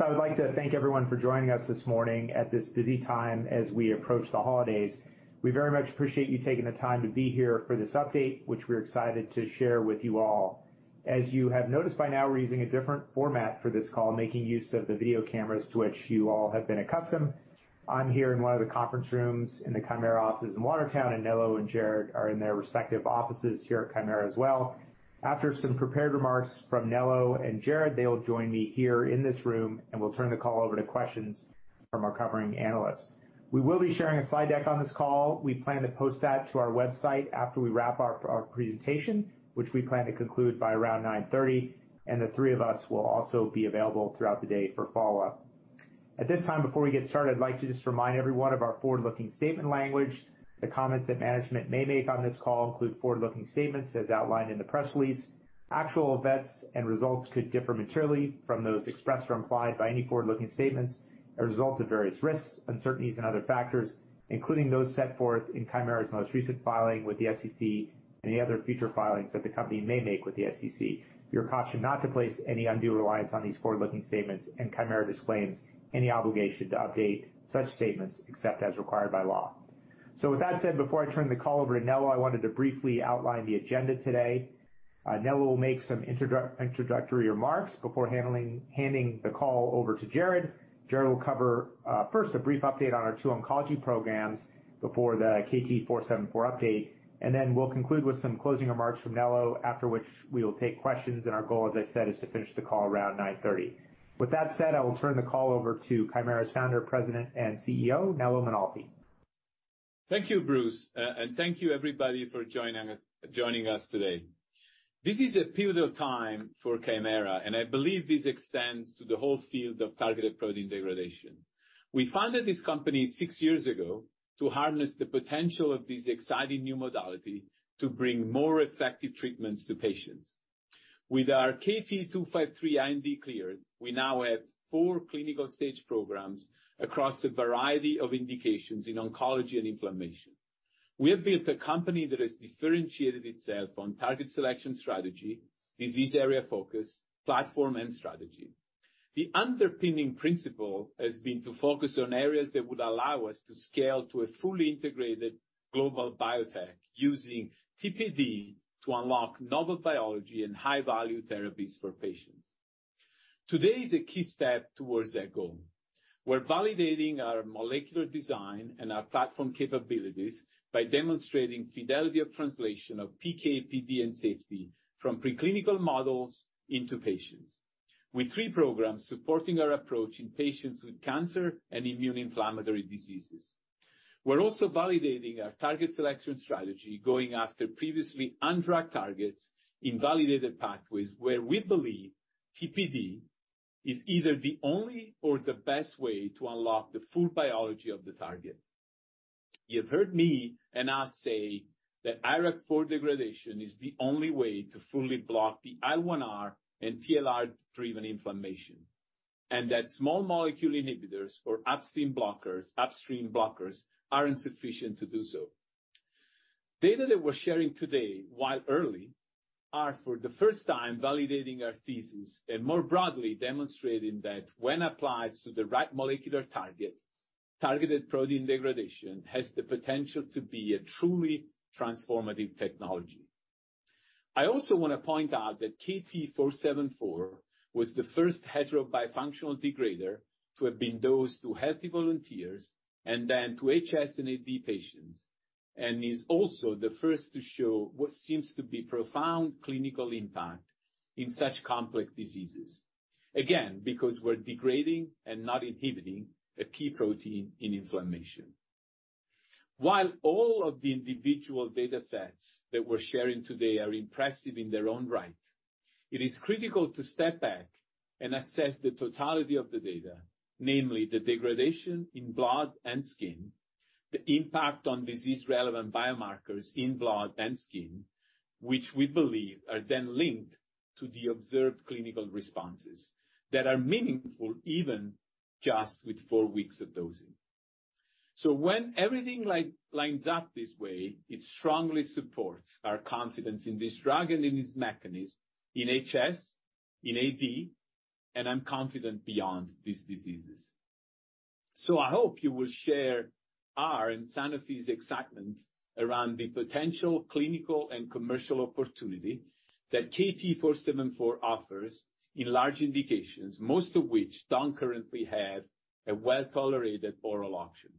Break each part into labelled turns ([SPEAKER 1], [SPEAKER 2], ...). [SPEAKER 1] I would like to thank everyone for joining us this morning at this busy time as we approach the holidays. We very much appreciate you taking the time to be here for this update, which we're excited to share with you all. As you have noticed by now, we're using a different format for this call, making use of the video cameras to which you all have been accustomed. I'm here in one of the conference rooms in the Kymera offices in Watertown, and Nello and Jared are in their respective offices here at Kymera as well. After some prepared remarks from Nello and Jared, they will join me here in this room, and we'll turn the call over to questions from our covering analysts. We will be sharing a slide deck on this call. We plan to post that to our website after we wrap our presentation, which we plan to conclude by around 9:30. The three of us will also be available throughout the day for follow-up. At this time before we get started, I'd like to just remind everyone of our forward-looking statement language. The comments that management may make on this call include forward-looking statements as outlined in the press release. Actual events and results could differ materially from those expressed or implied by any forward-looking statements, or results of various risks, uncertainties and other factors, including those set forth in Kymera's most recent filing with the SEC, any other future filings that the company may make with the SEC. You are cautioned not to place any undue reliance on these forward-looking statements. Kymera disclaims any obligation to update such statements except as required by law. With that said, before I turn the call over to Nello, I wanted to briefly outline the agenda today. Nello will make some introductory remarks before handing the call over to Jared. Jared will cover, first a brief update on our two oncology programs before the KT-474 update, and then we'll conclude with some closing remarks from Nello. After which we will take questions, and our goal, as I said, is to finish the call around 9:30. With that said, I will turn the call over to Kymera's Founder, President, and CEO, Nello Mainolfi.
[SPEAKER 2] Thank you, Bruce, and thank you everybody for joining us today. This is a period of time for Kymera, and I believe this extends to the whole field of targeted protein degradation. We founded this company six years ago to harness the potential of this exciting new modality to bring more effective treatments to patients. With our KT-253 IND cleared, we now have four clinical stage programs across a variety of indications in oncology and inflammation. We have built a company that has differentiated itself on target selection strategy, disease area focus, platform and strategy. The underpinning principle has been to focus on areas that would allow us to scale to a fully integrated global biotech using TPD to unlock novel biology and high value therapies for patients. Today is a key step towards that goal. We're validating our molecular design and our platform capabilities by demonstrating fidelity of translation of PK, PD, and safety from preclinical models into patients. With three programs supporting our approach in patients with cancer and immune inflammatory diseases. We're also validating our target selection strategy going after previously undrugged targets in validated pathways where we believe TPD is either the only or the best way to unlock the full biology of the target. You've heard me and us say that IRAK4 degradation is the only way to fully block the IL-1R and TLR-driven inflammation, and that small molecule inhibitors or upstream blockers are insufficient to do so. Data that we're sharing today, while early, are for the first time validating our thesis and more broadly demonstrating that when applied to the right molecular target, targeted protein degradation has the potential to be a truly transformative technology. I also wanna point out that KT-474 was the first heterobifunctional degrader to have been dosed to healthy volunteers and then to HS and AD patients, and is also the first to show what seems to be profound clinical impact in such complex diseases. Again, because we're degrading and not inhibiting a key protein in inflammation. While all of the individual datasets that we're sharing today are impressive in their own right, it is critical to step back and assess the totality of the data, namely the degradation in blood and skin, the impact on disease relevant biomarkers in blood and skin, which we believe are then linked to the observed clinical responses that are meaningful even just with four weeks of dosing. When everything like, lines up this way, it strongly supports our confidence in this drug and in its mechanism in HS, in AD, and I'm confident beyond these diseases. I hope you will share our and Sanofi's excitement around the potential clinical and commercial opportunity that KT-474 offers in large indications, most of which don't currently have a well-tolerated oral option.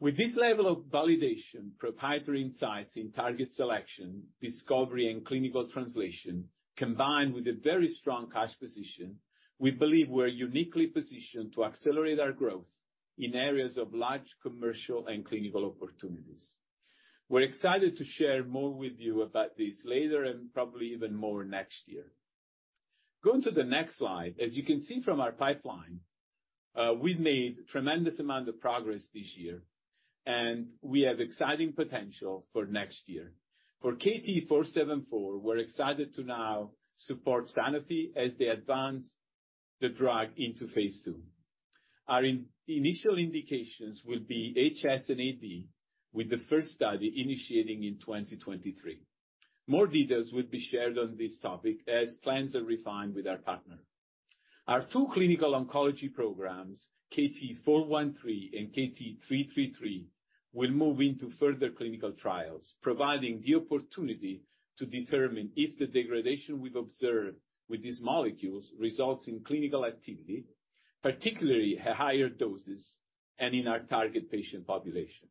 [SPEAKER 2] With this level of validation, proprietary insights in target selection, discovery and clinical translation, combined with a very strong cash position, we believe we're uniquely positioned to accelerate our growth in areas of large commercial and clinical opportunities. We're excited to share more with you about this later and probably even more next year. Going to the next slide. As you can see from our pipeline, we've made tremendous amount of progress this year, we have exciting potential for next year. For KT-474, we're excited to now support Sanofi as they advance the drug into phase II. Our initial indications will be HS and AD, with the first study initiating in 2023. More details will be shared on this topic as plans are refined with our partner. Our two clinical oncology programs, KT-413 and KT-333, will move into further clinical trials, providing the opportunity to determine if the degradation we've observed with these molecules results in clinical activity, particularly at higher doses, and in our target patient population.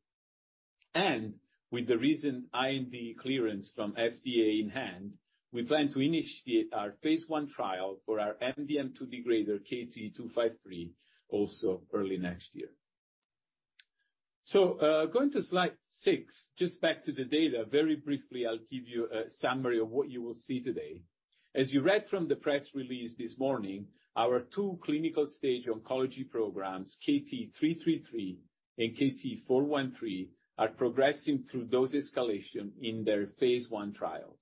[SPEAKER 2] With the recent IND clearance from FDA in hand, we plan to initiate our phase I trial for our MDM2 degrader, KT-253, also early next year. Going to slide six, just back to the data. Very briefly, I'll give you a summary of what you will see today. You read from the press release this morning, our two clinical stage oncology programs, KT-333 and KT-413, are progressing through dose escalation in their phase I trials.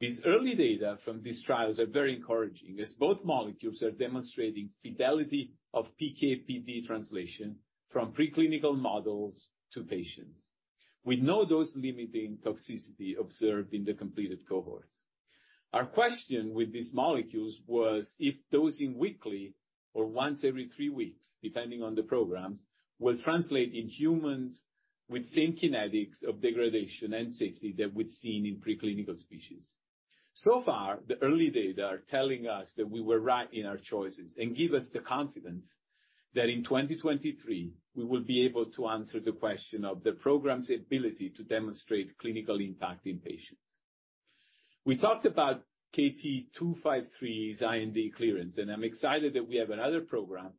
[SPEAKER 2] These early data from these trials are very encouraging, as both molecules are demonstrating fidelity of PK/PD translation from preclinical models to patients. We know dose-limiting toxicity observed in the completed cohorts. Our question with these molecules was if dosing weekly or once every three weeks, depending on the programs, will translate in humans with same kinetics of degradation and safety that we've seen in preclinical species. The early data are telling us that we were right in our choices and give us the confidence that in 2023 we will be able to answer the question of the program's ability to demonstrate clinical impact in patients. We talked about KT-253's IND clearance. I'm excited that we have another program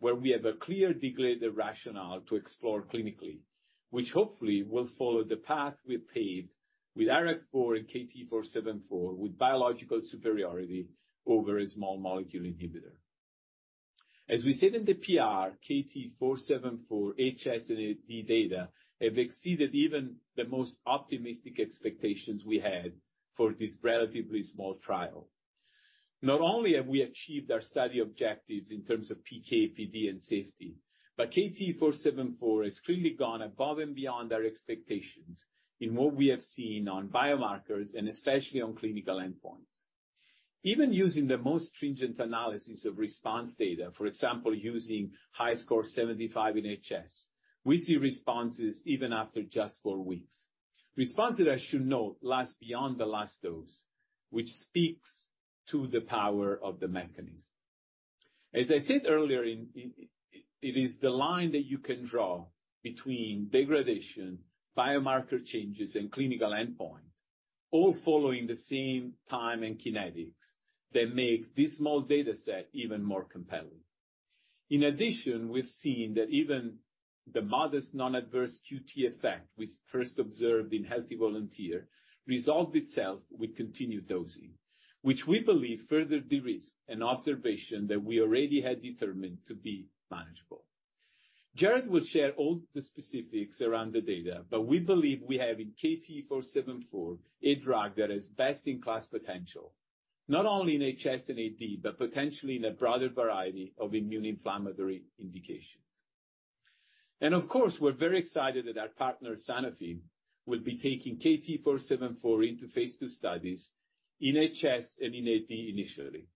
[SPEAKER 2] where we have a clear degrader rationale to explore clinically, which hopefully will follow the path we have paved with ARID 4 and KT-474, with biological superiority over a small molecule inhibitor. As we said in the PR, KT-474 HS and AD data have exceeded even the most optimistic expectations we had for this relatively small trial. Not only have we achieved our study objectives in terms of PK, PD, and safety, but KT-474 has clearly gone above and beyond our expectations in what we have seen on biomarkers and especially on clinical endpoints. Even using the most stringent analysis of response data, for example, using HiSCR 75 in HS, we see responses even after just 4 weeks. Responses I should note last beyond the last dose, which speaks to the power of the mechanism. As I said earlier, it is the line that you can draw between degradation, biomarker changes, and clinical endpoint, all following the same time and kinetics that make this small data set even more compelling. In addition, we've seen that even the modest non-adverse QT effect we first observed in healthy volunteer resolved itself with continued dosing, which we believe further de-risk an observation that we already had determined to be manageable. Jared will share all the specifics around the data, but we believe we have in KT-474 a drug that has best-in-class potential, not only in HS and AD, but potentially in a broader variety of immune inflammatory indications. Of course, we're very excited that our partner, Sanofi, will be taking KT-474 into phase II studies in HS and in AD initially,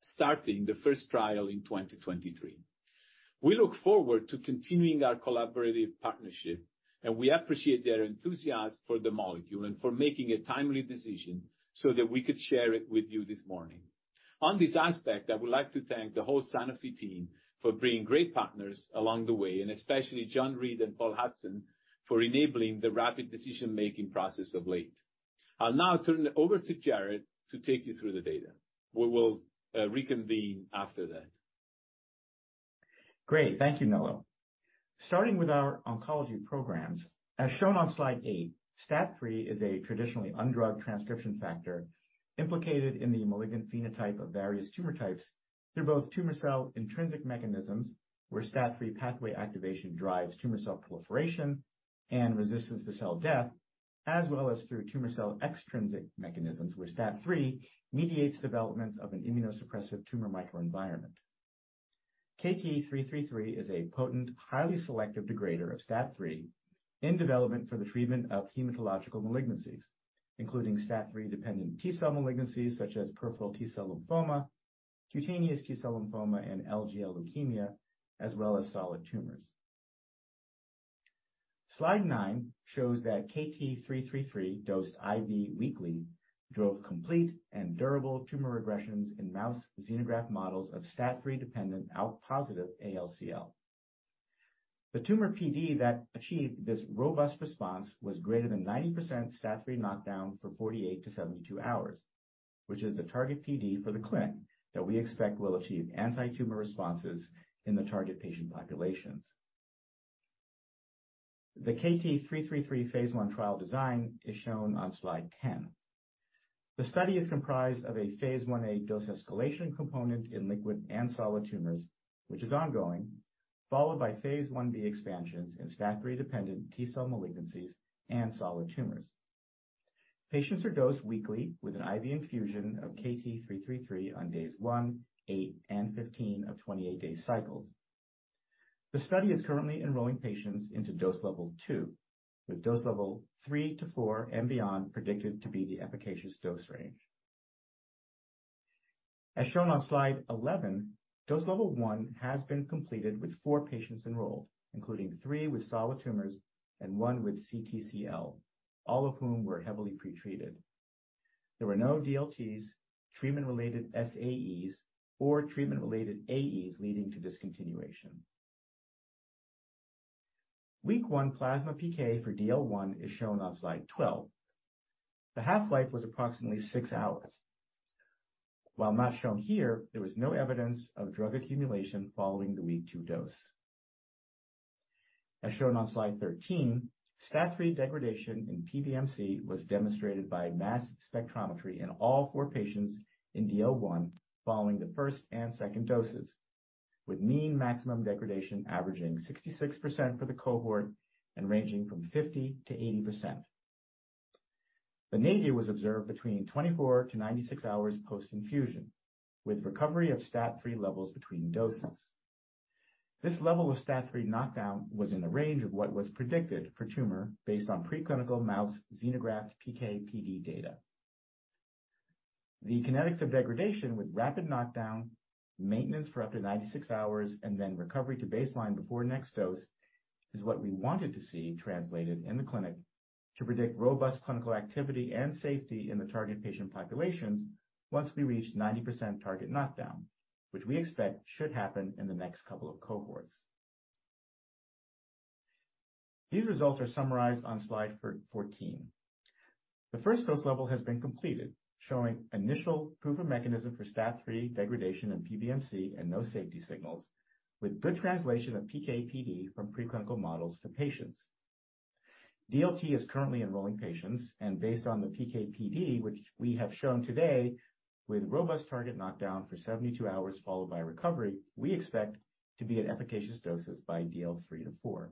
[SPEAKER 2] starting the first trial in 2023. We look forward to continuing our collaborative partnership, and we appreciate their enthusiasm for the molecule and for making a timely decision so that we could share it with you this morning. On this aspect, I would like to thank the whole Sanofi team for being great partners along the way, and especially John Reed and Paul Hudson for enabling the rapid decision-making process of late. I'll now turn it over to Jared to take you through the data. We will reconvene after that.
[SPEAKER 3] Great. Thank you, Nello. Starting with our oncology programs, as shown on slide eight, STAT3 is a traditionally undrugged transcription factor implicated in the malignant phenotype of various tumor types through both tumor cell-intrinsic mechanisms, where STAT3 pathway activation drives tumor cell proliferation and resistance to cell death, as well as through tumor cell-extrinsic mechanisms, where STAT3 mediates development of an immunosuppressive tumor microenvironment. KT-333 is a potent, highly selective degrader of STAT3 in development for the treatment of hematological malignancies, including STAT3-dependent T-cell malignancies such as peripheral T-cell lymphoma, cutaneous T-cell lymphoma, and LGL leukemia, as well as solid tumors. Slide nine shows that KT-333 dosed IV weekly drove complete and durable tumor regressions in mouse xenograft models of STAT3-dependent ALK-positive ALCL. The tumor PD that achieved this robust response was greater than 90% STAT3 knockdown for 48-72 hours, which is the target PD for the clinic that we expect will achieve anti-tumor responses in the target patient populations. The KT-333 Phase 1 trial design is shown on slide 10. The study is comprised of a Phase Ia dose escalation component in liquid and solid tumors, which is ongoing, followed by Phase 1b expansions in STAT3-dependent T-cell malignancies and solid tumors. Patients are dosed weekly with an IV infusion of KT-333 on days one, eight, and 15 of 28-day cycles. The study is currently enrolling patients into dose level two, with dose level three-four and beyond predicted to be the efficacious dose range. As shown on slide 11, dose level one has been completed with four patients enrolled, including three with solid tumors and one with CTCL, all of whom were heavily pre-treated. There were no DLTs, treatment-related SAEs, or treatment-related AEs leading to discontinuation. Week one plasma PK for DL 1 is shown on slide 12. The half-life was approximately six hours. While not shown here, there was no evidence of drug accumulation following the week 2 dose. As shown on slide 13, STAT3 degradation in PBMC was demonstrated by mass spectrometry in all four patients in DL 1 following the first and second doses, with mean maximum degradation averaging 66% for the cohort and ranging from 50%-80%. The nadir was observed between 24-96 hours post-infusion, with recovery of STAT3 levels between doses. This level of STAT3 knockdown was in the range of what was predicted for tumor based on preclinical mouse xenograft PK/PD data. The kinetics of degradation with rapid knockdown, maintenance for up to 96 hours, and then recovery to baseline before next dose is what we wanted to see translated in the clinic to predict robust clinical activity and safety in the target patient populations once we reach 90% target knockdown, which we expect should happen in the next couple of cohorts. These results are summarized on slide 14. The first dose level has been completed, showing initial proof of mechanism for STAT3 degradation in PBMC and no safety signals, with good translation of PK/PD from preclinical models to patients. DLT is currently enrolling patients. Based on the PK/PD, which we have shown today with robust target knockdown for 72 hours followed by recovery, we expect to be at efficacious doses by DL 3 to 4.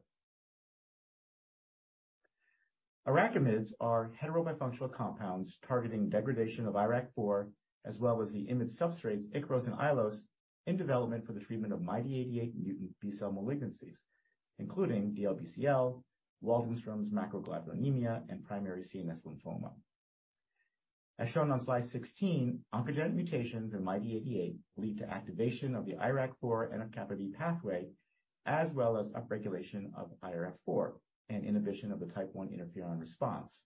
[SPEAKER 3] IRAKIMiDs are heterobifunctional compounds targeting degradation of IRAK4 as well as the IMiD substrates, Ikaros and Aiolos, in development for the treatment of MYD88 mutant B-cell malignancies, including DLBCL, Waldenström's macroglobulinemia, and primary CNS lymphoma. As shown on slide 16, oncogenic mutations in MYD88 lead to activation of the IRAK4 and NF-κB pathway, as well as upregulation of IRF4 and inhibition of the type 1 interferon response.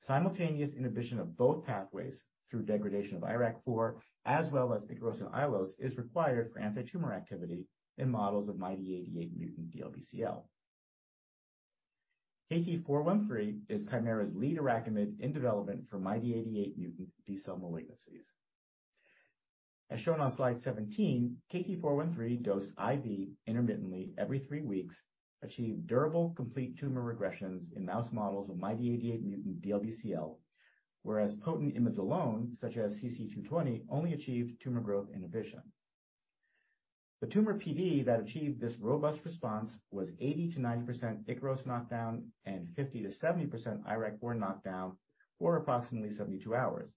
[SPEAKER 3] Simultaneous inhibition of both pathways through degradation of IRAK4, as well as Ikaros and Aiolos, is required for antitumor activity in models of MYD88 mutant DLBCL. KT-413 is Kymera's lead IRAKIMiD in development for MYD88 mutant B-cell malignancies. As shown on slide 17, KT413 dosed IV intermittently every three weeks achieved durable complete tumor regressions in mouse models of MYD88 mutant DLBCL, whereas potent IMiDs alone, such as CC220, only achieved tumor growth inhibition. The tumor PD that achieved this robust response was 80%-90% Ikaros knockdown and 50%-70% IRAK4 knockdown for approximately 72 hours,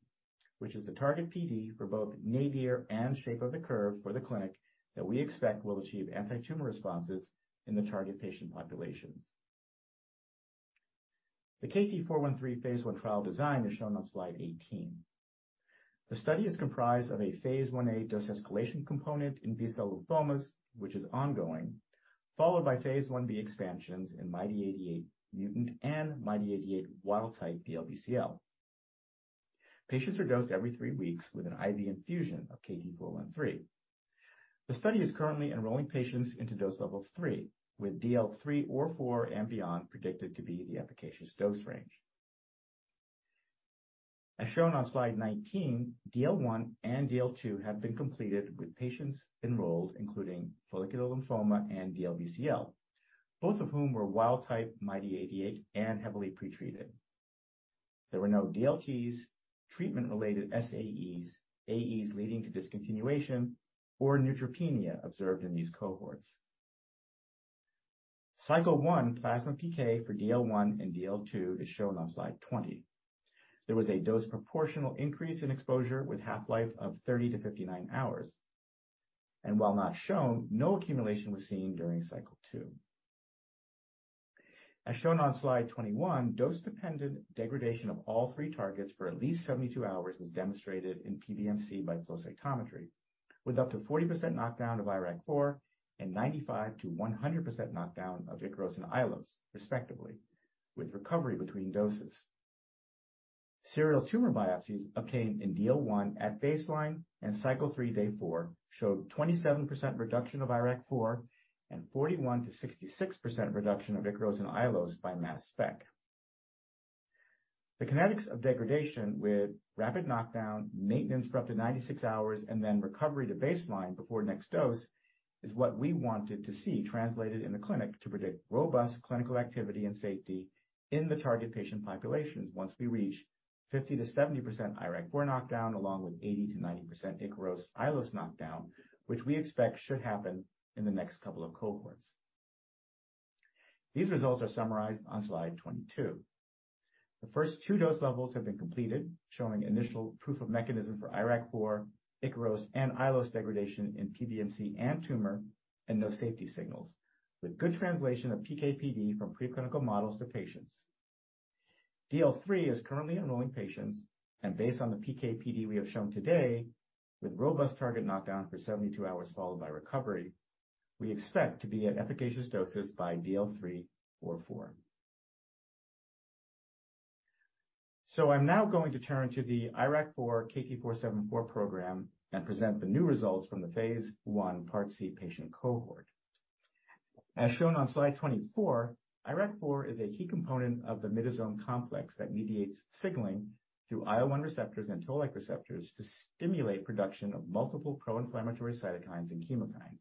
[SPEAKER 3] which is the target PD for both nadir and shape of the curve for the clinic that we expect will achieve antitumor responses in the target patient populations. The KT413 phase 1 trial design is shown on slide 18. The study is comprised of a phase Ia dose escalation component in B-cell lymphomas, which is ongoing, followed by phase 1b expansions in MYD88 mutant and MYD88 wild-type DLBCL. Patients are dosed every three weeks with an IV infusion of KT413. The study is currently enrolling patients into dose level three, with DL 3 or 4 and beyond predicted to be the efficacious dose range. As shown on slide 19, DL 1 and DL 2 have been completed with patients enrolled, including follicular lymphoma and DLBCL, both of whom were wild type MYD88 and heavily pre-treated. There were no DLTs, treatment-related SAEs, AEs leading to discontinuation, or neutropenia observed in these cohorts. Cycle one plasma PK for DL 1 and DL 2 is shown on slide 20. There was a dose proportional increase in exposure with half-life of 30 to 59 hours. While not shown, no accumulation was seen during cycle two. As shown on slide 21, dose-dependent degradation of all three targets for at least 72 hours was demonstrated in PBMC by flow cytometry, with up to 40% knockdown of IRAK4 and 95%-100% knockdown of Ikaros and Aiolos, respectively, with recovery between doses. Serial tumor biopsies obtained in DL 1 at baseline and cycle three, day four, showed 27% reduction of IRAK4 and 41%-66% reduction of Ikaros and Aiolos by mass spec. The kinetics of degradation with rapid knockdown, maintenance for up to 96 hours, and then recovery to baseline before next dose is what we wanted to see translated in the clinic to predict robust clinical activity and safety in the target patient populations once we reach 50%-70% IRAK4 knockdown, along with 80%-90% Ikaros/Aiolos knockdown, which we expect should happen in the next couple of cohorts. These results are summarized on slide 22. The first two dose levels have been completed, showing initial proof of mechanism for IRAK4, Ikaros, and Aiolos degradation in PBMC and tumor, and no safety signals, with good translation of PK/PD from preclinical models to patients. DL 3 is currently enrolling patients, and based on the PK/PD we have shown today, with robust target knockdown for 72 hours followed by recovery, we expect to be at efficacious doses by DL 3 or 4. I'm now going to turn to the IRAK4 KT-474 program and present the new results from the phase 1 part C patient cohort. As shown on slide 24, IRAK4 is a key component of the midzone complex that mediates signaling through IL-1 receptors and toll-like receptors to stimulate production of multiple pro-inflammatory cytokines and chemokines.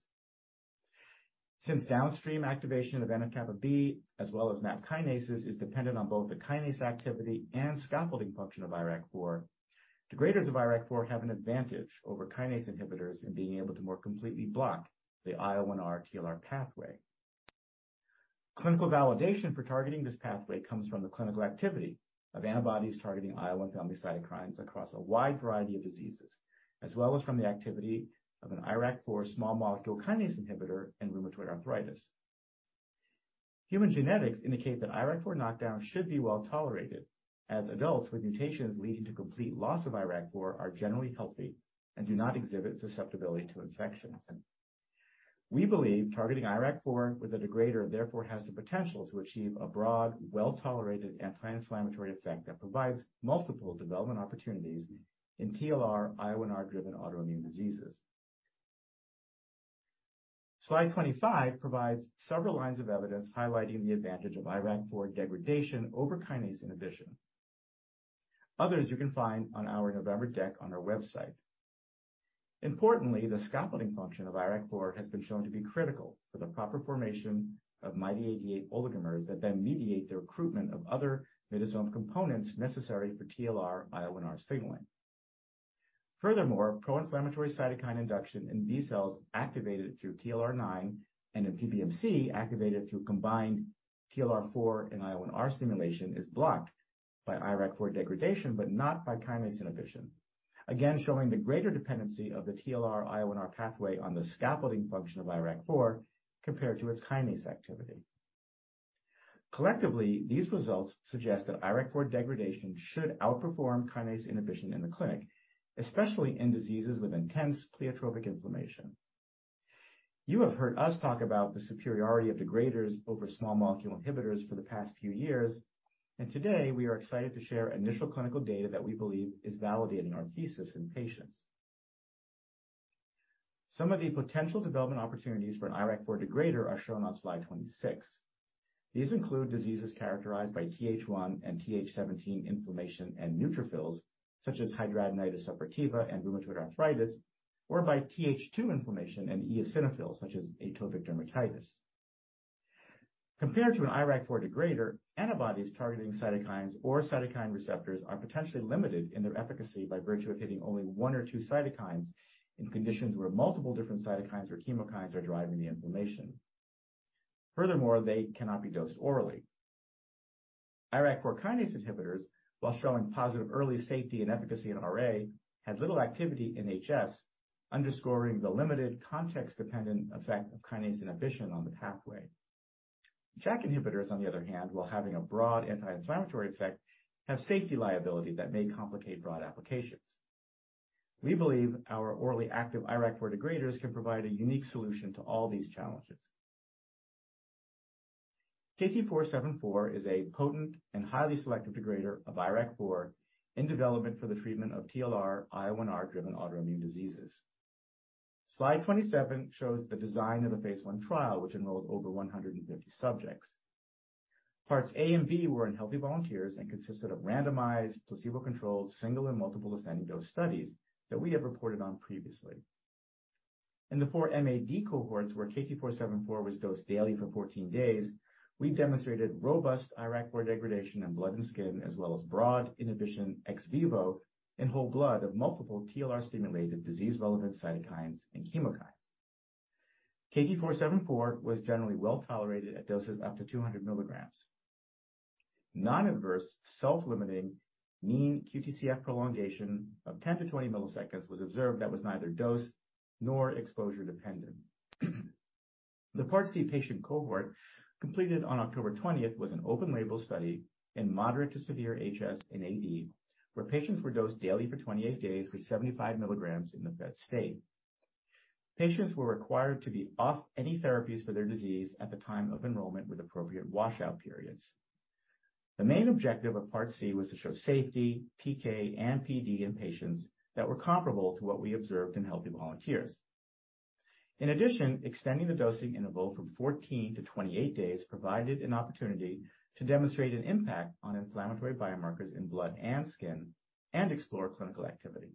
[SPEAKER 3] Since downstream activation of NF-κB as well as MAP kinases is dependent on both the kinase activity and scaffolding function of IRAK4, degraders of IRAK4 have an advantage over kinase inhibitors in being able to more completely block the IL-1R TLR pathway. Clinical validation for targeting this pathway comes from the clinical activity of antibodies targeting IL and family cytokines across a wide variety of diseases, as well as from the activity of an IRAK4 small molecule kinase inhibitor in rheumatoid arthritis. Human genetics indicate that IRAK4 knockdown should be well-tolerated, as adults with mutations leading to complete loss of IRAK4 are generally healthy and do not exhibit susceptibility to infections. We believe targeting IRAK4 with a degrader therefore has the potential to achieve a broad, well-tolerated anti-inflammatory effect that provides multiple development opportunities in TLR, IL-1R-driven autoimmune diseases. Slide 25 provides several lines of evidence highlighting the advantage of IRAK4 degradation over kinase inhibition. Others you can find on our November deck on our website. Importantly, the scaffolding function of IRAK4 has been shown to be critical for the proper formation of MyD88 oligomers that then mediate the recruitment of other midzone components necessary for TLR, IL-1R signaling. Furthermore, proinflammatory cytokine induction in B cells activated through TLR9 and in PBMC activated through combined TLR4 and IL-1R stimulation is blocked by IRAK4 degradation, but not by kinase inhibition. Again, showing the greater dependency of the TLR, IL-1R pathway on the scaffolding function of IRAK4 compared to its kinase activity. Collectively, these results suggest that IRAK4 degradation should outperform kinase inhibition in the clinic, especially in diseases with intense pleiotropic inflammation. Today we are excited to share initial clinical data that we believe is validating our thesis in patients. Some of the potential development opportunities for an IRAK4 degrader are shown on slide 26. These include diseases characterized by Th1 and Th17 inflammation and neutrophils, such as hidradenitis suppurativa and rheumatoid arthritis, or by Th2 inflammation and eosinophils, such as atopic dermatitis. Compared to an IRAK4 degrader, antibodies targeting cytokines or cytokine receptors are potentially limited in their efficacy by virtue of hitting only one or two cytokines in conditions where multiple different cytokines or chemokines are driving the inflammation. They cannot be dosed orally. IRAK4 kinase inhibitors, while showing positive early safety and efficacy in RA, had little activity in HS, underscoring the limited context-dependent effect of kinase inhibition on the pathway. JAK inhibitors, on the other hand, while having a broad anti-inflammatory effect, have safety liability that may complicate broad applications. We believe our orally active IRAK4 degraders can provide a unique solution to all these challenges. KT-474 is a potent and highly selective degrader of IRAK4 in development for the treatment of TLR, IL-1R-driven autoimmune diseases. Slide 27 shows the design of a phase I trial which enrolled over 150 subjects. Parts A and B were in healthy volunteers and consisted of randomized, placebo-controlled, single and multiple ascending dose studies that we have reported on previously. In the 4 MAD cohorts where KT-474 was dosed daily for 14 days, we demonstrated robust IRAK4 degradation in blood and skin, as well as broad inhibition ex vivo in whole blood of multiple TLR-stimulated disease-relevant cytokines and chemokines. KT-474 was generally well-tolerated at doses up to 200 milligrams. Non-adverse, self-limiting mean QTCF prolongation of 10-20 milliseconds was observed that was neither dose nor exposure-dependent. The part C patient cohort, completed on October 20th, was an open-label study in moderate to severe HS and AD, where patients were dosed daily for 28 days with 75 milligrams in the fed state. Patients were required to be off any therapies for their disease at the time of enrollment with appropriate washout periods. The main objective of part C was to show safety, PK, and PD in patients that were comparable to what we observed in healthy volunteers. In addition, extending the dosing interval from 14-28 days provided an opportunity to demonstrate an impact on inflammatory biomarkers in blood and skin and explore clinical activity.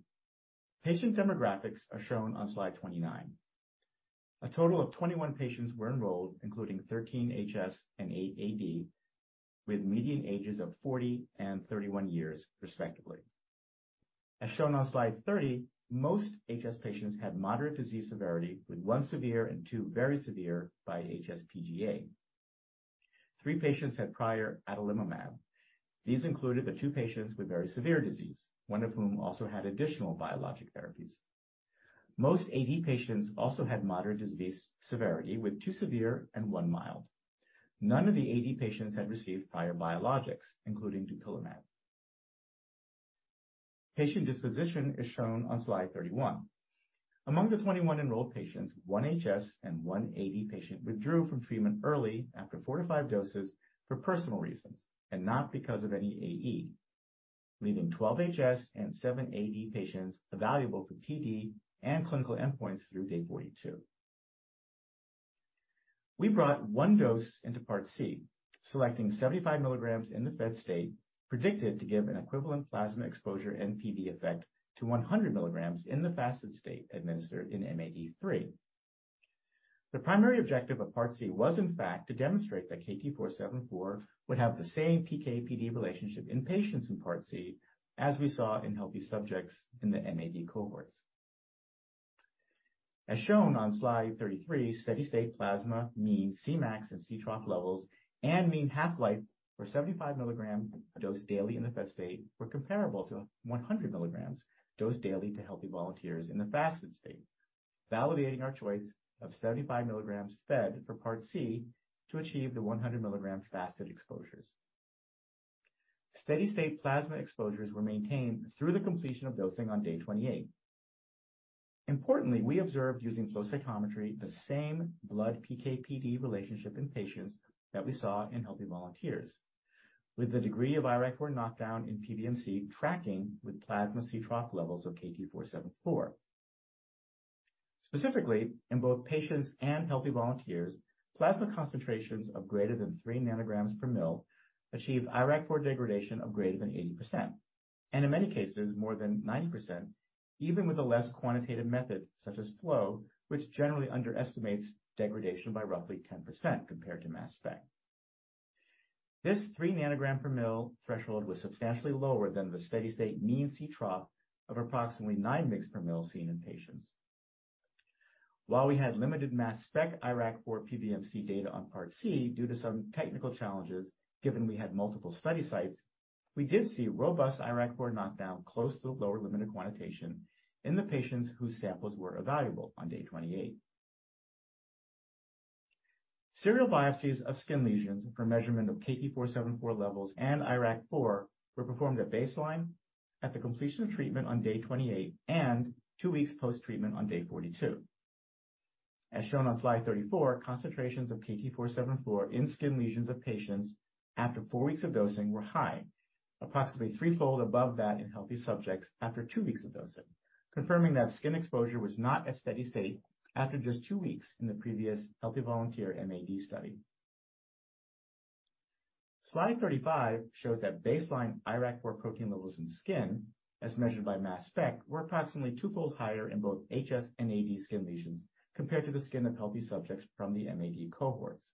[SPEAKER 3] Patient demographics are shown on slide 29. A total of 21 patients were enrolled, including 13 HS and 8 AD, with median ages of 40 and 31 years respectively. As shown on slide 30, most HS patients had moderate disease severity, with one severe and two very severe by HSPGA. three patients had prior adalimumab. These included the two patients with very severe disease, one of whom also had additional biologic therapies. Most AD patients also had moderate disease severity, with two severe and one mild. None of the AD patients had received prior biologics, including dupilumab. Patient disposition is shown on slide 31. Among the 21 enrolled patients, 1 HS and 1 AD patient withdrew from treatment early after 45 doses for personal reasons and not because of any AE, leaving 12 HS and 7 AD patients evaluable for PD and clinical endpoints through day 42. We brought one dose into part C, selecting 75 milligrams in the fed state, predicted to give an equivalent plasma exposure and PD effect to 100 milligrams in the fasted state administered in MAD 3. The primary objective of part C was in fact to demonstrate that KT-474 would have the same PK/PD relationship in patients in part C as we saw in healthy subjects in the MAD cohorts. As shown on slide 33, steady-state plasma mean Cmax and Ctrough levels and mean half-life for 75 milligram dose daily in the fed state were comparable to 100 milligrams dose daily to healthy volunteers in the fasted state, validating our choice of 75 milligrams fed for part C to achieve the 100 milligram fasted exposures. Steady-state plasma exposures were maintained through the completion of dosing on day 28. Importantly, we observed, using flow cytometry, the same blood PK/PD relationship in patients that we saw in healthy volunteers, with the degree of IRAK4 knockdown in PBMC tracking with plasma Ctrough levels of KT-474. Specifically, in both patients and healthy volunteers, plasma concentrations of greater than 3 nanograms per mil achieve IRAK4 degradation of greater than 80%, and in many cases, more than 90%, even with a less quantitative method such as flow, which generally underestimates degradation by roughly 10% compared to mass spec. This three nanogram per mil threshold was substantially lower than the steady-state mean Ctrough of approximately nine mics per mil seen in patients. While we had limited mass spec IRAK4 PBMC data on part C due to some technical challenges, given we had multiple study sites, we did see robust IRAK4 knockdown close to the lower limit of quantitation in the patients whose samples were evaluable on day 28. Serial biopsies of skin lesions for measurement of KT-474 levels and IRAK4 were performed at baseline at the completion of treatment on day 28 and two weeks post-treatment on day 42. As shown on slide 34, concentrations of KT-474 in skin lesions of patients after four weeks of dosing were high, approximately threefold above that in healthy subjects after two weeks of dosing, confirming that skin exposure was not at steady state after just two weeks in the previous healthy volunteer MAD study. Slide 35 shows that baseline IRAK4 protein levels in skin, as measured by mass spec, were approximately twofold higher in both HS and AD skin lesions compared to the skin of healthy subjects from the MAD cohorts.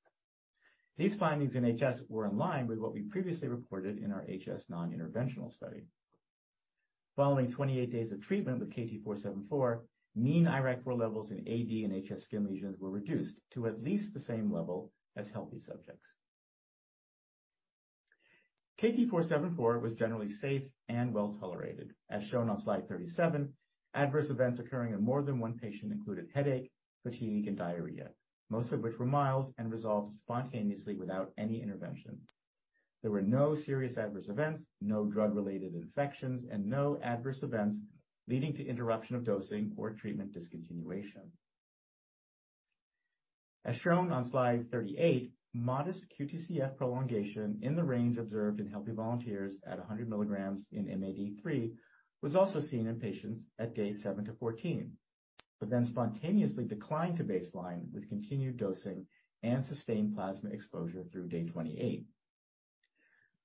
[SPEAKER 3] These findings in HS were in line with what we previously reported in our HS non-interventional study. Following 28 days of treatment with KT-474, mean IRAK4 levels in AD and HS skin lesions were reduced to at least the same level as healthy subjects. KT-474 was generally safe and well-tolerated. As shown on slide 37, adverse events occurring in more than one patient included headache, fatigue, and diarrhea, most of which were mild and resolved spontaneously without any intervention. There were no serious adverse events, no drug-related infections, and no adverse events leading to interruption of dosing or treatment discontinuation. As shown on slide 38, modest QTCF prolongation in the range observed in healthy volunteers at 100 milligrams in MAD 3 was also seen in patients at day 7 to 14, spontaneously declined to baseline with continued dosing and sustained plasma exposure through day 28.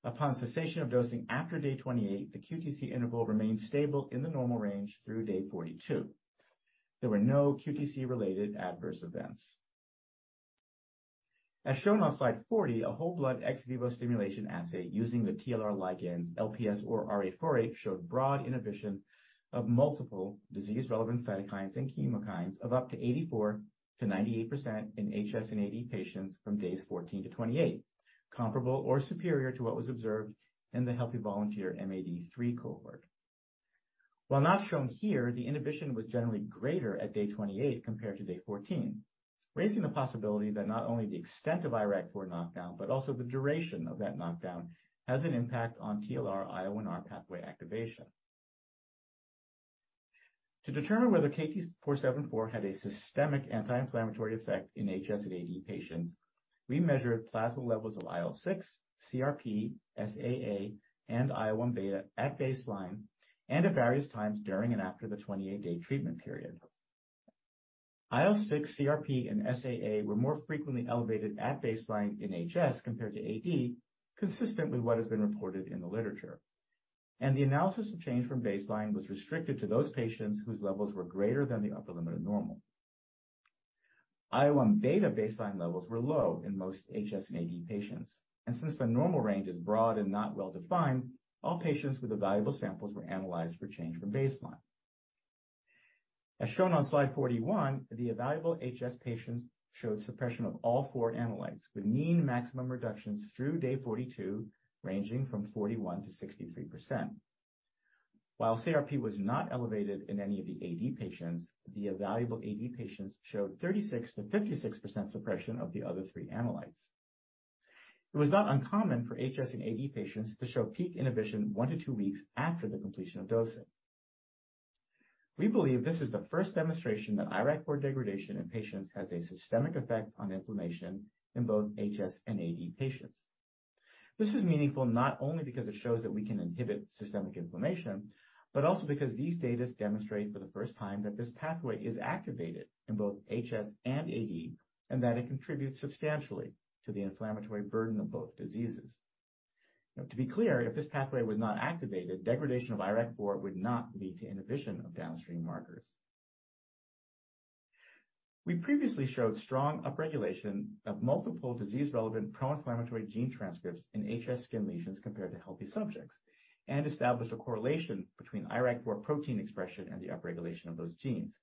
[SPEAKER 3] Upon cessation of dosing after day 28, the QTC interval remained stable in the normal range through day 42. There were no QTC-related AEs. As shown on slide 40, a whole blood ex vivo stimulation assay using the TLR ligands LPS or R848 showed broad inhibition of multiple disease-relevant cytokines and chemokines of up to 84%-98% in HS and AD patients from days 14 to 28, comparable or superior to what was observed in the healthy volunteer MAD 3 cohort. While not shown here, the inhibition was generally greater at day 28 compared to day 14, raising the possibility that not only the extent of IRAK4 knockdown but also the duration of that knockdown has an impact on TLR IL-1R pathway activation. To determine whether KT-474 had a systemic anti-inflammatory effect in HS and AD patients, we measured plasma levels of IL-6, CRP, SAA, and IL-1β at baseline and at various times during and after the 28-day treatment period. IL-6, CRP, and SAA were more frequently elevated at baseline in HS compared to AD, consistent with what has been reported in the literature. The analysis of change from baseline was restricted to those patients whose levels were greater than the upper limit of normal. IL-1β baseline levels were low in most HS and AD patients, and since the normal range is broad and not well-defined, all patients with evaluable samples were analyzed for change from baseline. As shown on slide 41, the evaluable HS patients showed suppression of all four analytes, with mean maximum reductions through day 42 ranging from 41%-63%. While CRP was not elevated in any of the AD patients, the evaluable AD patients showed 36%-56% suppression of the other three analytes. It was not uncommon for HS and AD patients to show peak inhibition one to two weeks after the completion of dosing. We believe this is the first demonstration that IRAK4 degradation in patients has a systemic effect on inflammation in both HS and AD patients. This is meaningful not only because it shows that we can inhibit systemic inflammation, but also because these data demonstrate for the first time that this pathway is activated in both HS and AD, and that it contributes substantially to the inflammatory burden of both diseases. To be clear, if this pathway was not activated, degradation of IRAK4 would not lead to inhibition of downstream markers. We previously showed strong upregulation of multiple disease-relevant pro-inflammatory gene transcripts in HS skin lesions compared to healthy subjects and established a correlation between IRAK4 protein expression and the upregulation of those genes.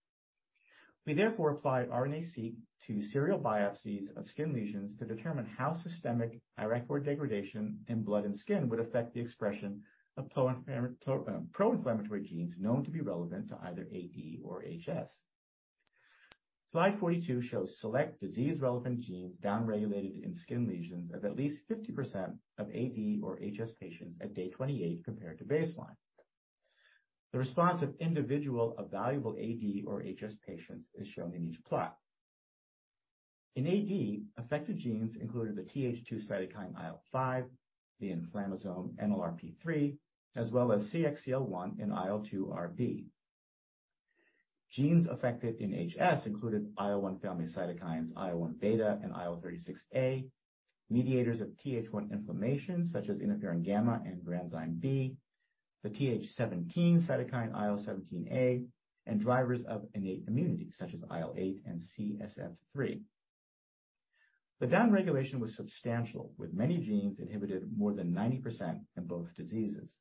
[SPEAKER 3] We therefore applied RNA-seq to serial biopsies of skin lesions to determine how systemic IRAK4 degradation in blood and skin would affect the expression of pro-inflammatory genes known to be relevant to either AD or HS. Slide 42 shows select disease-relevant genes downregulated in skin lesions of at least 50% of AD or HS patients at day 28 compared to baseline. The response of individual evaluable AD or HS patients is shown in each plot. In AD, affected genes included the Th2 cytokine IL-5, the inflammasome NLRP3, as well as CXCL1 and IL-2RB. Genes affected in HS included IL-1 family cytokines IL-1 beta and IL-36α, mediators of Th1 inflammation such as interferon gamma and granzyme B, the Th17 cytokine IL-17A, and drivers of innate immunity such as IL-8 and CSF3. The downregulation was substantial, with many genes inhibited more than 90% in both diseases.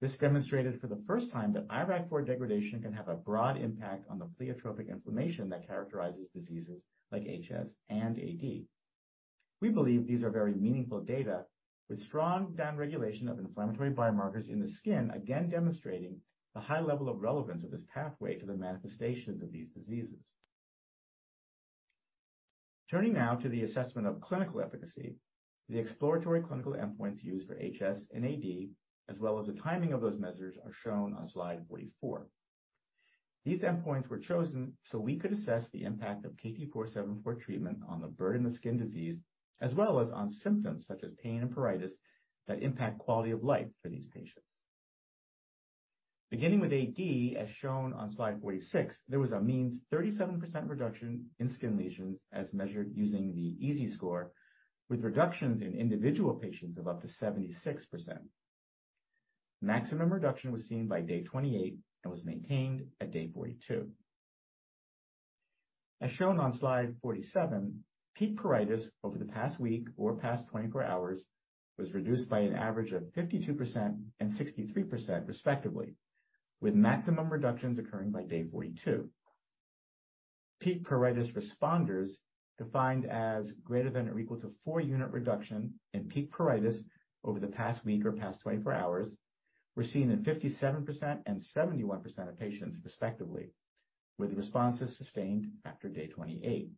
[SPEAKER 3] This demonstrated for the first time that IRAK4 degradation can have a broad impact on the pleiotropic inflammation that characterizes diseases like HS and AD. We believe these are very meaningful data with strong downregulation of inflammatory biomarkers in the skin, again demonstrating the high level of relevance of this pathway to the manifestations of these diseases. Turning now to the assessment of clinical efficacy, the exploratory clinical endpoints used for HS and AD, as well as the timing of those measures, are shown on slide 44. These endpoints were chosen so we could assess the impact of KT-474 treatment on the burden of skin disease as well as on symptoms such as pain and pruritus that impact quality of life for these patients. Beginning with AD, as shown on slide 46, there was a mean 37% reduction in skin lesions as measured using the EASI score, with reductions in individual patients of up to 76%. Maximum reduction was seen by day 28 and was maintained at day 42. As shown on slide 47, peak pruritus over the past week or past 24 hours was reduced by an average of 52% and 63% respectively, with maximum reductions occurring by day 42. Peak pruritus responders, defined as greater than or equal to 4-unit reduction in peak pruritus over the past week or past 24 hours, were seen in 57% and 71% of patients respectively, with the responses sustained after day 28.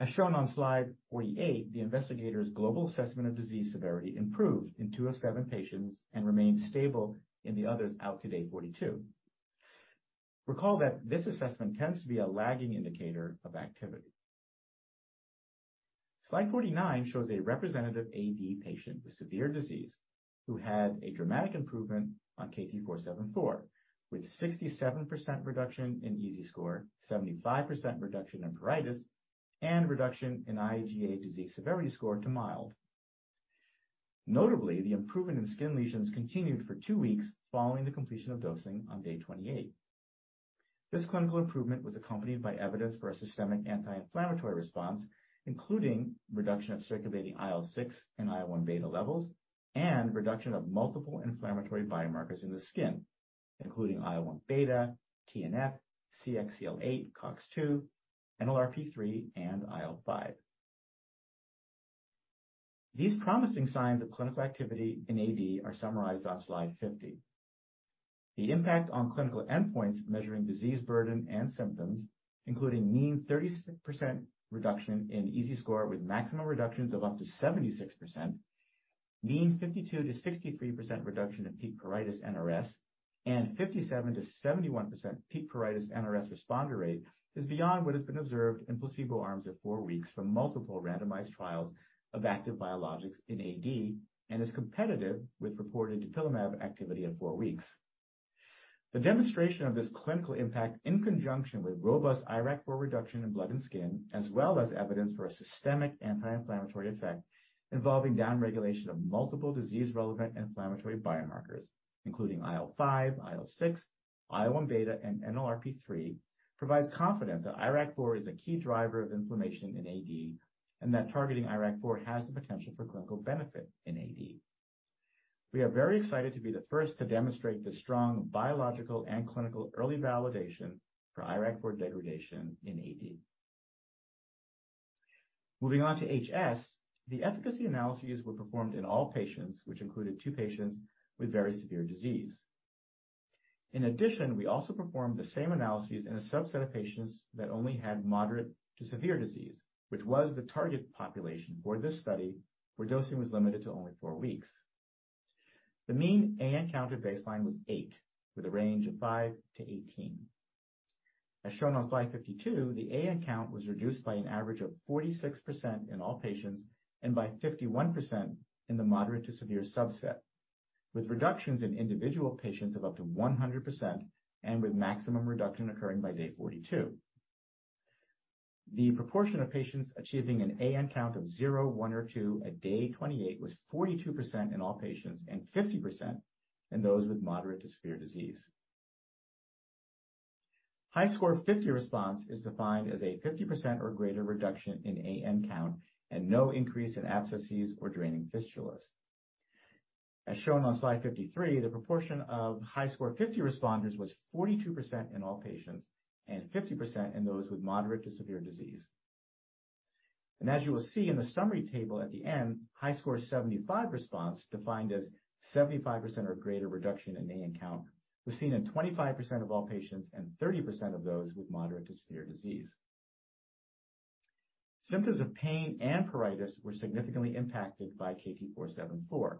[SPEAKER 3] As shown on slide 48, the investigator's global assessment of disease severity improved in 2 of 7 patients and remained stable in the others out to day 42. Recall that this assessment tends to be a lagging indicator of activity. Slide 49 shows a representative AD patient with severe disease who had a dramatic improvement on KT-474, with 67% reduction in EASI score, 75% reduction in pruritus, and reduction in IAGA disease severity score to mild. Notably, the improvement in skin lesions continued for 2 weeks following the completion of dosing on day 28. This clinical improvement was accompanied by evidence for a systemic anti-inflammatory response, including reduction of circulating IL-6 and IL-1β levels and reduction of multiple inflammatory biomarkers in the skin, including IL-1β, TNF, CXCL8, COX-2, NLRP3, and IL-5. These promising signs of clinical activity in AD are summarized on slide 50. The impact on clinical endpoints measuring disease burden and symptoms, including mean 36% reduction in EASI score with maximal reductions of up to 76%, mean 52%-63% reduction in peak pruritus NRS, and 57%-71% peak pruritus NRS responder rate is beyond what has been observed in placebo arms at 4 weeks from multiple randomized trials of active biologics in AD and is competitive with reported dupilumab activity at 4 weeks. The demonstration of this clinical impact in conjunction with robust IRAK4 reduction in blood and skin, as well as evidence for a systemic anti-inflammatory effect involving downregulation of multiple disease-relevant inflammatory biomarkers, including IL-5, IL-6, IL-1 beta and NLRP3 provides confidence that IRAK4 is a key driver of inflammation in AD and that targeting IRAK4 has the potential for clinical benefit in AD. We are very excited to be the first to demonstrate the strong biological and clinical early validation for IRAK4 degradation in AD. Moving on to HS, the efficacy analyses were performed in all patients, which included 2 patients with very severe disease. In addition, we also performed the same analyses in a subset of patients that only had moderate to severe disease, which was the target population for this study, where dosing was limited to only 4 weeks. The mean AN count at baseline was 8, with a range of 5-18. As shown on slide 52, the AN count was reduced by an average of 46% in all patients and by 51% in the moderate to severe subset, with reductions in individual patients of up to 100% and with maximum reduction occurring by day 42. The proportion of patients achieving an AN count of 0, 1 or 2 at day 28 was 42% in all patients and 50% in those with moderate to severe disease. HiSCR50 response is defined as a 50% or greater reduction in AN count and no increase in abscesses or draining fistulas. Shown on slide 53, the proportion of HiSCR50 responders was 42% in all patients and 50% in those with moderate to severe disease. As you will see in the summary table at the end, HiSCR75 response, defined as 75% or greater reduction in AN count, was seen in 25% of all patients and 30% of those with moderate to severe disease. Symptoms of pain and pruritus were significantly impacted by KT-474.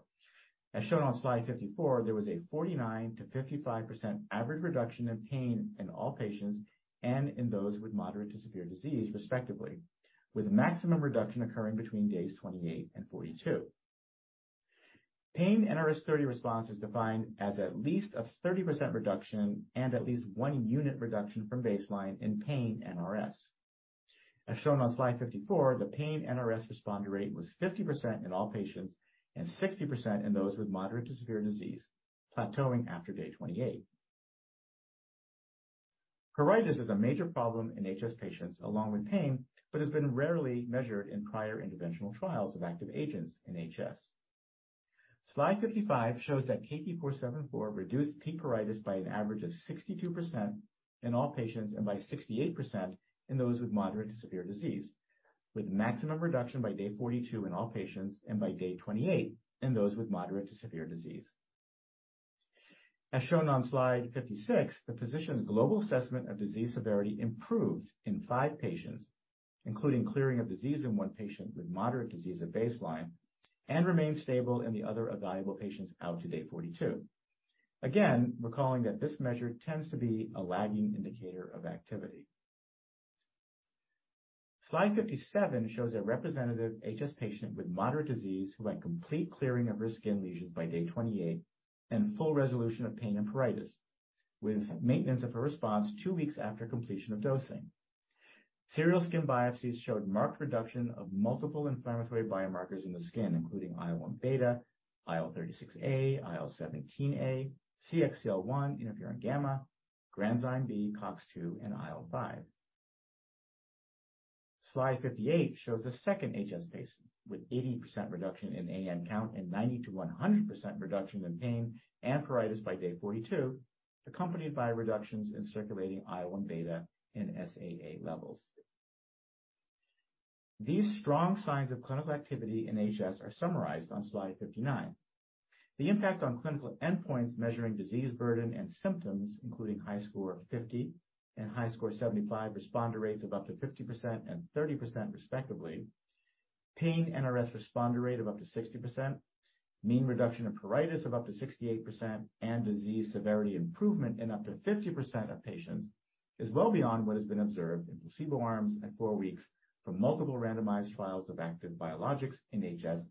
[SPEAKER 3] As shown on slide 54, there was a 49%-55% average reduction in pain in all patients and in those with moderate to severe disease, respectively, with maximum reduction occurring between days 28 and 42. Pain NRS 30 response is defined as at least a 30% reduction and at least 1 unit reduction from baseline in pain NRS. As shown on slide 54, the pain NRS responder rate was 50% in all patients and 60% in those with moderate to severe disease, plateauing after day 28. Pruritus is a major problem in HS patients, along with pain, but has been rarely measured in prior interventional trials of active agents in HS. Slide 55 shows that KT-474 reduced peak pruritus by an average of 62% in all patients and by 68% in those with moderate to severe disease, with maximum reduction by day 42 in all patients and by day 28 in those with moderate to severe disease. As shown on slide 56, the physician's global assessment of disease severity improved in five patients, including clearing of disease in one patient with moderate disease at baseline and remained stable in the other evaluable patients out to day 42. Again, recalling that this measure tends to be a lagging indicator of activity. Slide 57 shows a representative HS patient with moderate disease who had complete clearing of her skin lesions by day 28 and full resolution of pain and pruritus, with maintenance of her response two weeks after completion of dosing. Serial skin biopsies showed marked reduction of multiple inflammatory biomarkers in the skin, including IL-1β, IL-36α, IL-17A, CXCL1, interferon gamma, granzyme B, COX-2, and IL-5. Slide 58 shows a second HS patient with 80% reduction in AN count and 90%-100% reduction in pain and pruritus by day 42, accompanied by reductions in circulating IL-1β and SAA levels. These strong signs of clinical activity in HS are summarized on slide 59. The impact on clinical endpoints measuring disease burden and symptoms, including HiSCR50 and HiSCR75 responder rates of up to 50% and 30% respectively, pain NRS responder rate of up to 60%, mean reduction of pruritus of up to 68%, and disease severity improvement in up to 50% of patients is well beyond what has been observed in placebo arms at 4 weeks from multiple randomized trials of active biologics in HS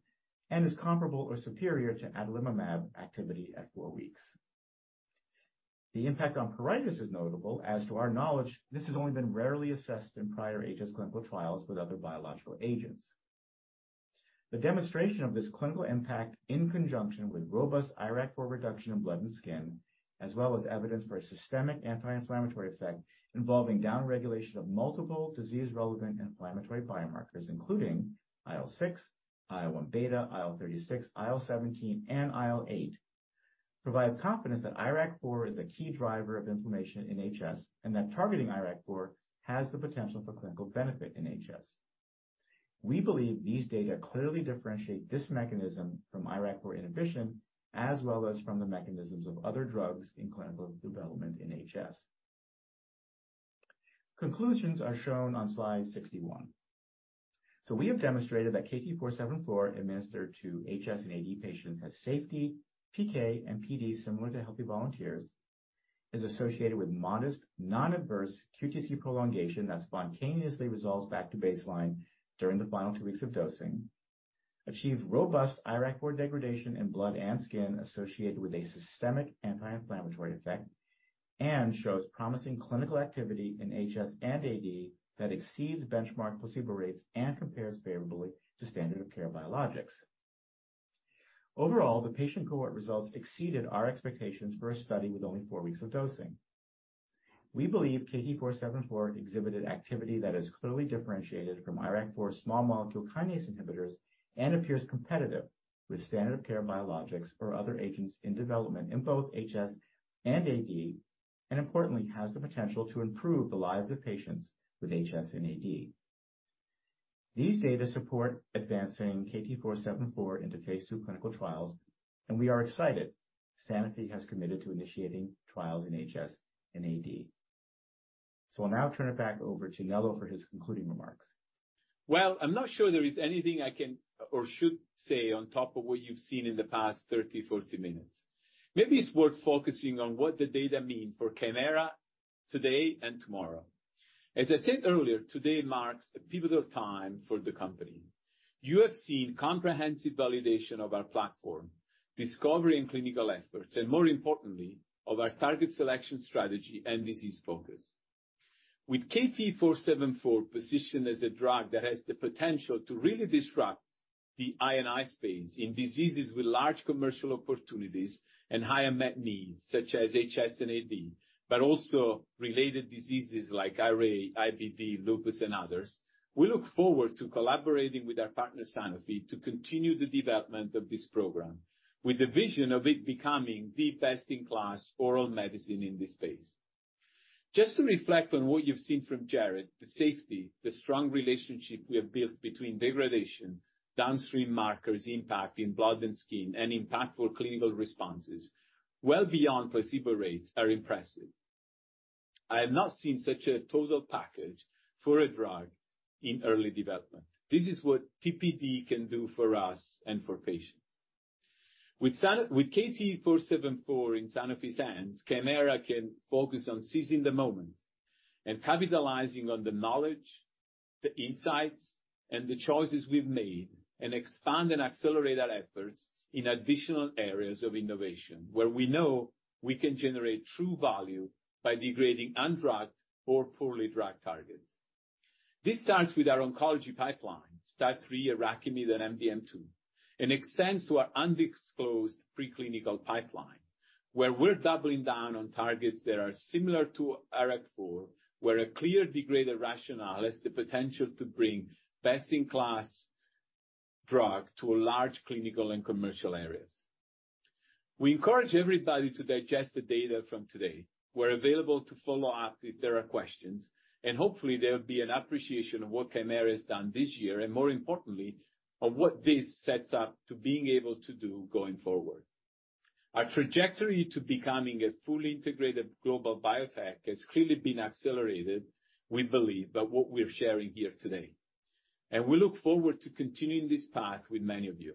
[SPEAKER 3] and is comparable or superior to adalimumab activity at 4 weeks. The impact on pruritus is notable as to our knowledge, this has only been rarely assessed in prior HS clinical trials with other biological agents.
[SPEAKER 1] The demonstration of this clinical impact, in conjunction with robust IRAK4 reduction in blood and skin, as well as evidence for a systemic anti-inflammatory effect involving downregulation of multiple disease-relevant inflammatory biomarkers, including IL-6, IL-1β, IL-36α, IL-17A, and IL-8, provides confidence that IRAK4 is a key driver of inflammation in HS and that targeting IRAK4 has the potential for clinical benefit in HS. We believe these data clearly differentiate this mechanism from IRAK4 inhibition as well as from the mechanisms of other drugs in clinical development in HS. Conclusions are shown on slide 61.
[SPEAKER 3] We have demonstrated that KT-474 administered to HS and AD patients has safety, PK, and PD similar to healthy volunteers, is associated with modest non-adverse QTC prolongation that spontaneously resolves back to baseline during the final two weeks of dosing, achieve robust IRAK4 degradation in blood and skin associated with a systemic anti-inflammatory effect, and shows promising clinical activity in HS and AD that exceeds benchmark placebo rates and compares favorably to standard of care biologics. Overall, the patient cohort results exceeded our expectations for a study with only four weeks of dosing. We believe KT-474 exhibited activity that is clearly differentiated from IRAK4 small molecule kinase inhibitors and appears competitive with standard of care biologics or other agents in development in both HS and AD, and importantly, has the potential to improve the lives of patients with HS and AD. These data support advancing KT-474 into phase 2 clinical trials, and we are excited Sanofi has committed to initiating trials in HS and AD. I'll now turn it back over to Nello for his concluding remarks.
[SPEAKER 2] I'm not sure there is anything I can or should say on top of what you've seen in the past 30, 40 minutes. Maybe it's worth focusing on what the data mean for Kymera today and tomorrow. As I said earlier, today marks a pivotal time for the company. You have seen comprehensive validation of our platform, discovery and clinical efforts, and more importantly, of our target selection strategy and disease focus. With KT-474 positioned as a drug that has the potential to really disrupt the I&I space in diseases with large commercial opportunities and higher met needs such as HS and AD, but also related diseases like RA, IBD, lupus and others. We look forward to collaborating with our partner, Sanofi, to continue the development of this program with the vision of it becoming the best in class oral medicine in this space. Just to reflect on what you've seen from Jared, the safety, the strong relationship we have built between degradation, downstream markers, impact in blood and skin, and impactful clinical responses well beyond placebo rates are impressive. I have not seen such a total package for a drug in early development. This is what TPD can do for us and for patients. With KT-474 in Sanofi's hands, Kymera can focus on seizing the moment and capitalizing on the knowledge, the insights, and the choices we've made, and expand and accelerate our efforts in additional areas of innovation where we know we can generate true value by degrading undrugged or poorly drugged targets. This starts with our oncology pipeline, STAT3, IRAK4, and MDM2, and extends to our underexposed preclinical pipeline, where we're doubling down on targets that are similar to IRAK4, where a clear degraded rationale has the potential to bring best-in-class drug to large clinical and commercial areas. We encourage everybody to digest the data from today. We're available to follow up if there are questions. Hopefully there'll be an appreciation of what Kymera has done this year and more importantly, of what this sets up to being able to do going forward. Our trajectory to becoming a fully integrated global biotech has clearly been accelerated, we believe, by what we're sharing here today. We look forward to continuing this path with many of you.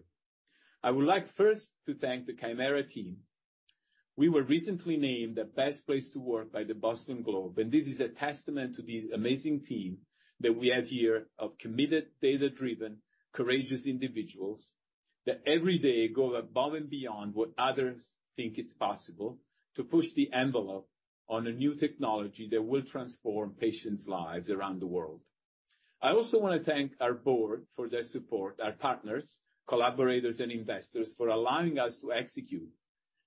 [SPEAKER 2] I would like first to thank the Kymera team. We were recently named the best place to work by The Boston Globe. This is a testament to the amazing team that we have here of committed, data-driven, courageous individuals that every day go above and beyond what others think it's possible to push the envelope on a new technology that will transform patients' lives around the world. I also wanna thank our board for their support, our partners, collaborators and investors for allowing us to execute,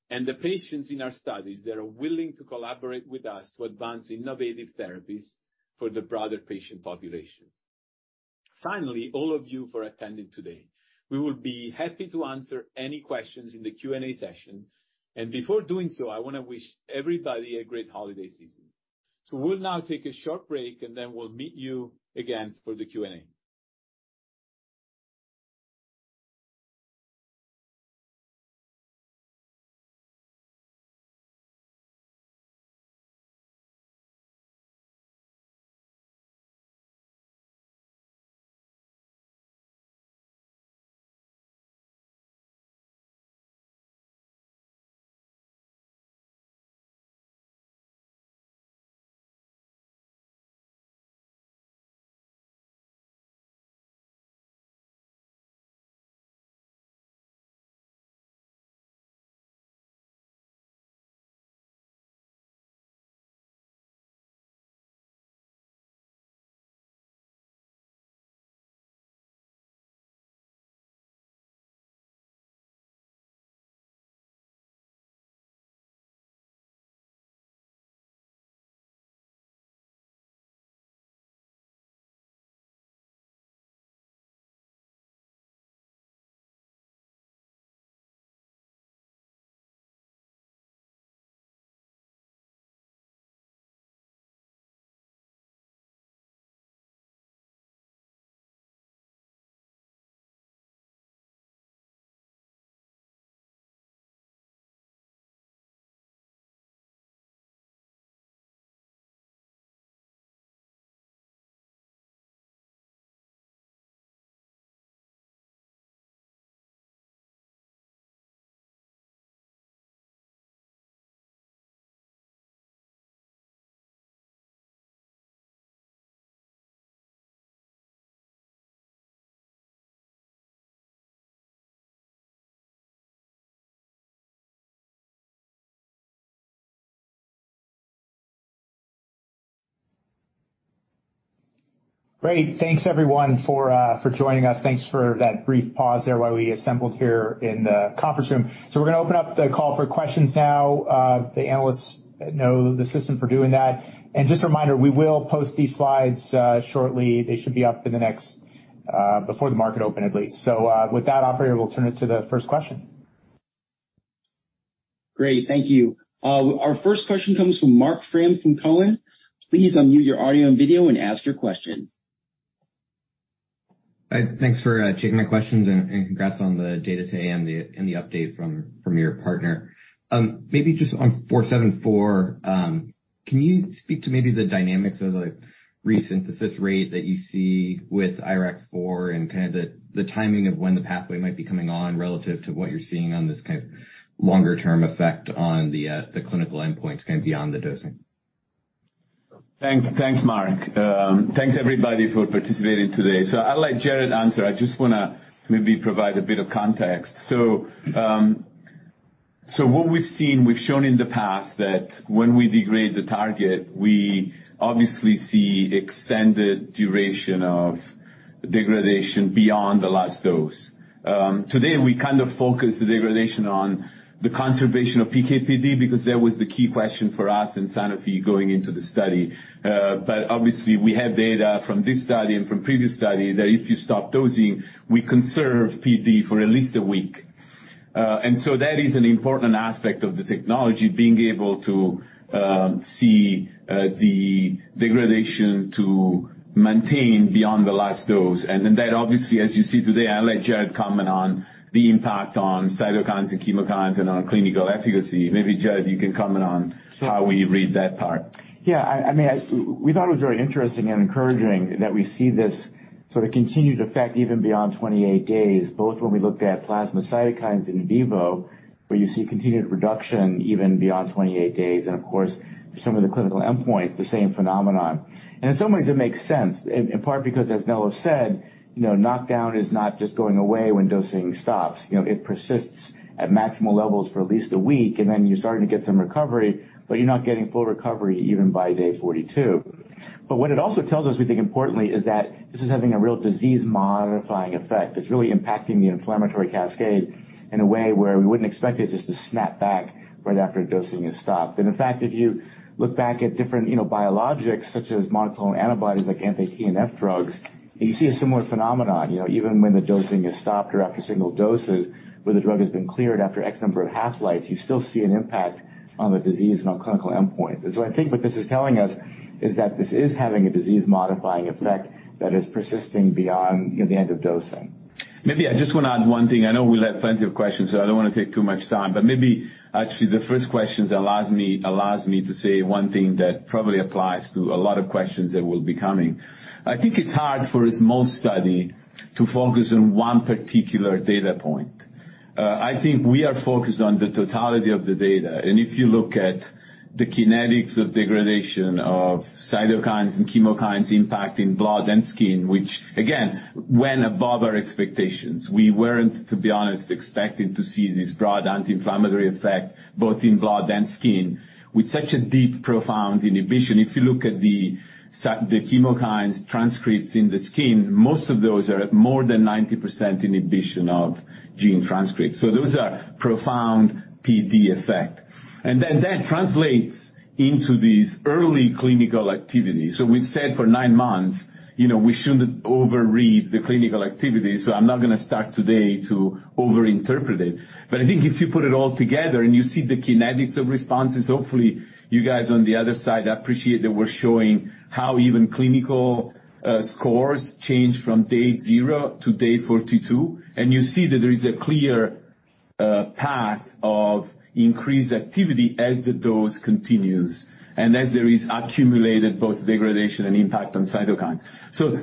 [SPEAKER 2] and the patients in our studies that are willing to collaborate with us to advance innovative therapies for the broader patient populations. Finally, all of you for attending today. We will be happy to answer any questions in the Q&A session. Before doing so, I wanna wish everybody a great holiday season. We'll now take a short break. We'll meet you again for the Q&A.
[SPEAKER 1] Great. Thanks everyone for joining us. Thanks for that brief pause there while we assembled here in the conference room. We're gonna open up the call for questions now. The analysts know the system for doing that. Just a reminder, we will post these slides shortly. They should be up in the next before the market open at least. With that, operator, we'll turn it to the first question.
[SPEAKER 4] Great. Thank you. Our first question comes from Marc Frahm from TD Cowen. Please unmute your audio and video and ask your question.
[SPEAKER 5] Hi, thanks for taking my questions and congrats on the data today and the update from your partner. Maybe just on KT-474, can you speak to maybe the dynamics of the resynthesis rate that you see with IRAK4 and kind of the timing of when the pathway might be coming on relative to what you're seeing on this kind of longer term effect on the clinical endpoints kind of beyond the dosing?
[SPEAKER 2] Thanks. Thanks, Mark. Thanks everybody for participating today. I'll let Jared answer. I just wanna maybe provide a bit of context. What we've seen, we've shown in the past that when we degrade the target, we obviously see extended duration of degradation beyond the last dose. Today we kind of focus the degradation on the conservation of PK/PD because that was the key question for us and Sanofi going into the study. Obviously we had data from this study and from previous study that if you stop dosing, we conserve PD for at least a week. That is an important aspect of the technology, being able to see the degradation to maintain beyond the last dose. That obviously, as you see today, I'll let Jared comment on the impact on cytokines and chemokines and on clinical efficacy. Maybe, Jared, you can comment on how we read that part.
[SPEAKER 3] I mean, we thought it was very interesting and encouraging that we see this sort of continued effect even beyond 28 days, both when we looked at plasma cytokines in vivo, where you see continued reduction even beyond 28 days, and of course, for some of the clinical endpoints, the same phenomenon. In some ways it makes sense in part because as Melo said, you know, knockdown is not just going away when dosing stops. You know, it persists at maximal levels for at least a week, and then you're starting to get some recovery, but you're not getting full recovery even by day 42. What it also tells us, we think importantly, is that this is having a real disease modifying effect. It's really impacting the inflammatory cascade in a way where we wouldn't expect it just to snap back right after dosing is stopped. In fact, if you look back at different, you know, biologics such as monoclonal antibodies like anti-TNF drugs, you see a similar phenomenon, you know, even when the dosing is stopped or after single doses, where the drug has been cleared after X number of half-lives, you still see an impact on the disease and on clinical endpoints. I think what this is telling us is that this is having a disease modifying effect that is persisting beyond, you know, the end of dosing.
[SPEAKER 2] Maybe I just wanna add one thing. I know we'll have plenty of questions, so I don't wanna take too much time, but maybe actually the first questions allows me, allows me to say one thing that probably applies to a lot of questions that will be coming. I think it's hard for a small study to focus on one particular data point. I think we are focused on the totality of the data. If you look at the kinetics of degradation of cytokines and chemokines impact in blood and skin, which again, went above our expectations. We weren't, to be honest, expecting to see this broad anti-inflammatory effect both in blood and skin with such a deep, profound inhibition. If you look at the chemokines transcripts in the skin, most of those are at more than 90% inhibition of gene transcripts. Those are profound PD effect. That translates into these early clinical activities. We've said for nine months, you know, we shouldn't overread the clinical activity, so I'm not gonna start today to overinterpret it. I think if you put it all together and you see the kinetics of responses, hopefully you guys on the other side appreciate that we're showing how even clinical scores change from day 0 to day 42. You see that there is a clear path of increased activity as the dose continues and as there is accumulated both degradation and impact on cytokines.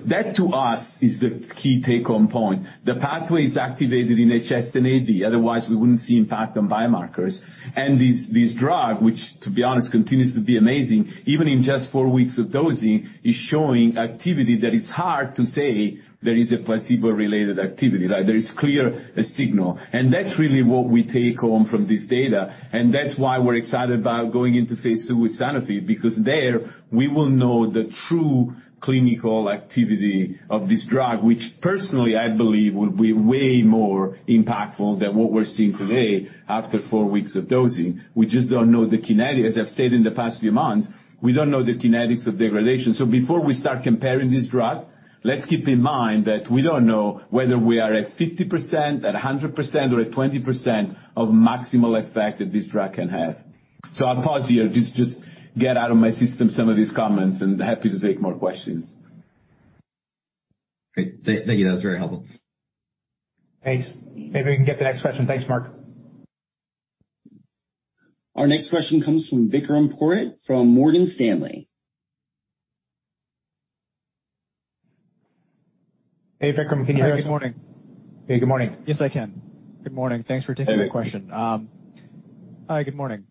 [SPEAKER 2] That to us is the key take-home point. The pathway is activated in HS and AD, otherwise we wouldn't see impact on biomarkers. This drug, which to be honest continues to be amazing, even in just four weeks of dosing, is showing activity that is hard to say there is a placebo-related activity. Like, there is clear signal. That's really what we take home from this data, and that's why we're excited about going into phase II with Sanofi, because there we will know the true clinical activity of this drug, which personally I believe will be way more impactful than what we're seeing today after four weeks of dosing. We just don't know the kinetic. As I've said in the past few months, we don't know the kinetics of degradation. Before we start comparing this drug, let's keep in mind that we don't know whether we are at 50%, at 100% or at 20% of maximal effect that this drug can have. I'll pause here. Just get out of my system some of these comments and happy to take more questions.
[SPEAKER 5] Great. Thank you. That was very helpful.
[SPEAKER 3] Thanks. Maybe we can get the next question. Thanks, Marc.
[SPEAKER 4] Our next question comes from Vikram Purohit from Morgan Stanley.
[SPEAKER 3] Hey, Vikram, can you hear us?
[SPEAKER 6] Hi, good morning.
[SPEAKER 3] Hey, good morning.
[SPEAKER 6] Yes, I can. Good morning. Thanks for taking my question. Hi, good morning.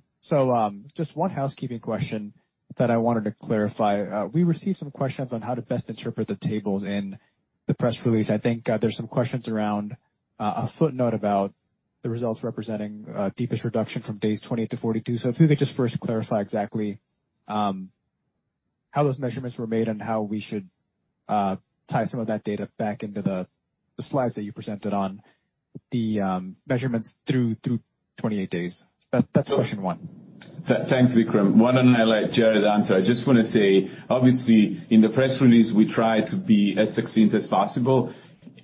[SPEAKER 6] Just one housekeeping question that I wanted to clarify. We received some questions on how to best interpret the tables in the press release. I think, there's some questions around a footnote about the results representing deepest reduction from days 28 to 42. If you could just first clarify exactly how those measurements were made and how we should tie some of that data back into the slides that you presented on the measurements through 28 days. Question one.
[SPEAKER 2] Thanks, Vikram. Why don't I let Jared answer? I just wanna say, obviously, in the press release, we try to be as succinct as possible.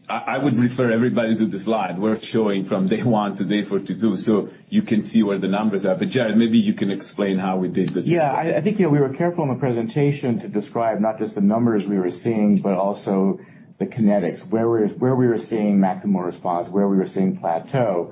[SPEAKER 2] I would refer everybody to the slide we're showing from day one to day 42, so you can see where the numbers are. Jared, maybe you can explain how we did.
[SPEAKER 3] Yeah. I think, you know, we were careful in the presentation to describe not just the numbers we were seeing, but also the kinetics, where we were seeing maximum response, where we were seeing plateau.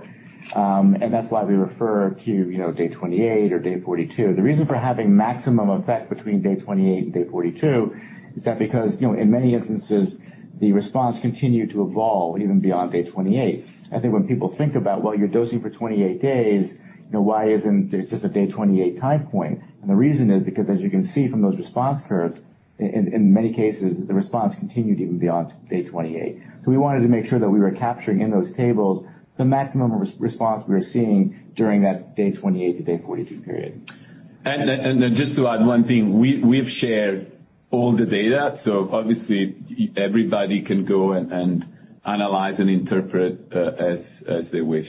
[SPEAKER 3] And that's why we refer to, you know, day 28 or day 42. The reason for having maximum effect between day 28 and day 42 is that because, you know, in many instances, the response continued to evolve even beyond day 28. I think when people think about, well, you're dosing for 28 days, you know, why isn't it just a day 28 time point? The reason is because as you can see from those response curves, in many cases, the response continued even beyond day 28. We wanted to make sure that we were capturing in those tables the maximum response we were seeing during that day 28 to day 42 period.
[SPEAKER 2] Just to add one thing, we've shared all the data, so obviously everybody can go and analyze and interpret, as they wish.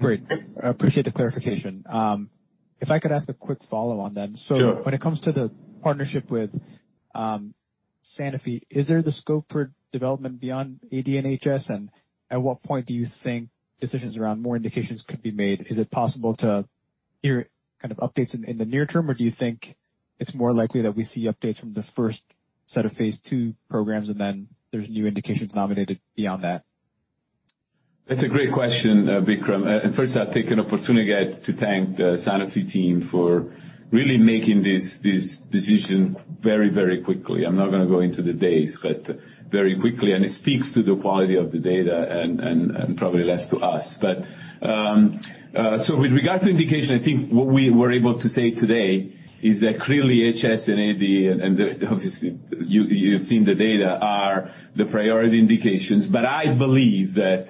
[SPEAKER 6] Great. Appreciate the clarification. If I could ask a quick follow on then.
[SPEAKER 2] Sure.
[SPEAKER 6] When it comes to the partnership with Sanofi, is there the scope for development beyond AD and HS? At what point do you think decisions around more indications could be made? Is it possible to hear kind of updates in the near term, or do you think it's more likely that we see updates from the first set of phase 2 programs and then there's new indications nominated beyond that?
[SPEAKER 2] That's a great question, Vikram. First, I'll take an opportunity again to thank the Sanofi team for really making this decision very, very quickly. I'm not gonna go into the days, but very quickly. It speaks to the quality of the data and probably less to us. With regards to indication, I think what we were able to say today is that clearly HS and AD, and obviously you've seen the data, are the priority indications. I believe that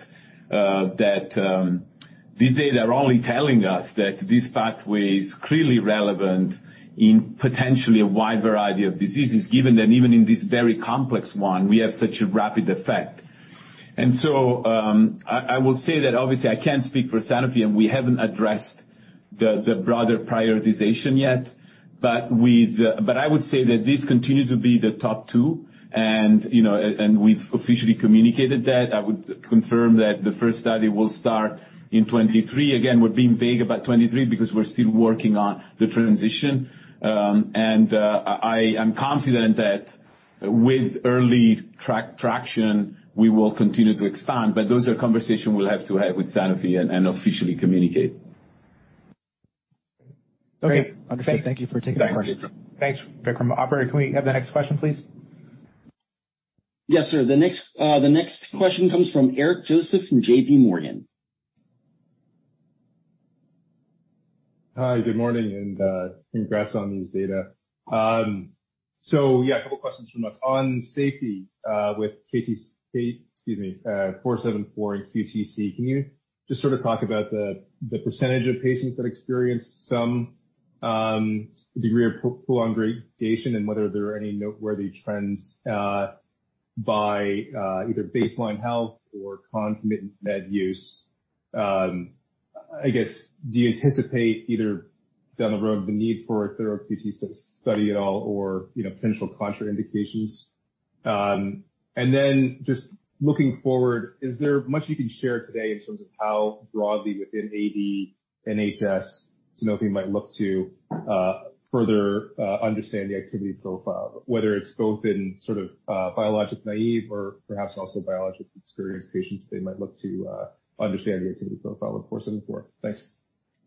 [SPEAKER 2] this data are only telling us that this pathway is clearly relevant in potentially a wide variety of diseases, given that even in this very complex one, we have such a rapid effect. I will say that obviously I can't speak for Sanofi, and we haven't addressed the broader prioritization yet, but I would say that these continue to be the top two and, you know, and we've officially communicated that. I would confirm that the first study will start in 23. Again, we're being vague about 23 because we're still working on the transition. I am confident that with early traction we will continue to expand, but those are conversations we'll have to have with Sanofi and officially communicate.
[SPEAKER 6] Okay. Understood. Thank you for taking my questions.
[SPEAKER 2] Thanks.
[SPEAKER 1] Thanks, Vikram. Operator, can we have the next question, please?
[SPEAKER 4] Yes, sir. The next question comes from Eric Joseph from J.P. Morgan.
[SPEAKER 7] Hi. Good morning. Congrats on these data. Yeah, a couple questions from us. On safety, Excuse me, with KT-474 and QTC, can you just sort of talk about the percentage of patients that experienced some degree of prolonged gradation and whether there are any noteworthy trends by either baseline health or concomitant med use? I guess, do you anticipate either down the road the need for a thorough QTC study at all or, you know, potential contraindications? Just looking forward, is there much you can share today in terms of how broadly within AD, HS, Sanofi might look to further understand the activity profile, whether it's both in sort of biologic naive or perhaps also biologic experienced patients, they might look to understand the activity profile of KT-474? Thanks.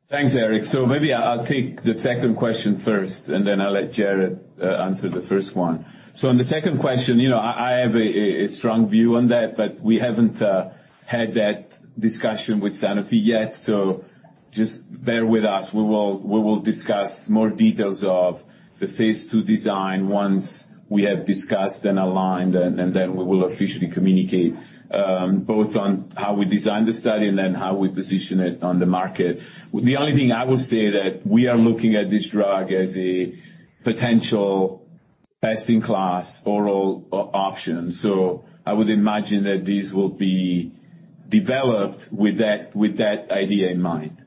[SPEAKER 2] Thanks, Eric. Maybe I'll take the second question first, and then I'll let Jared answer the first one. On the second question, you know, I have a strong view on that, but we haven't had that discussion with Sanofi yet. Just bear with us. We will discuss more details of the phase II design once we have discussed and aligned, and then we will officially communicate both on how we design the study and then how we position it on the market. The only thing I will say that we are looking at this drug as a potential best-in-class oral option. I would imagine that this will be developed with that idea in mind.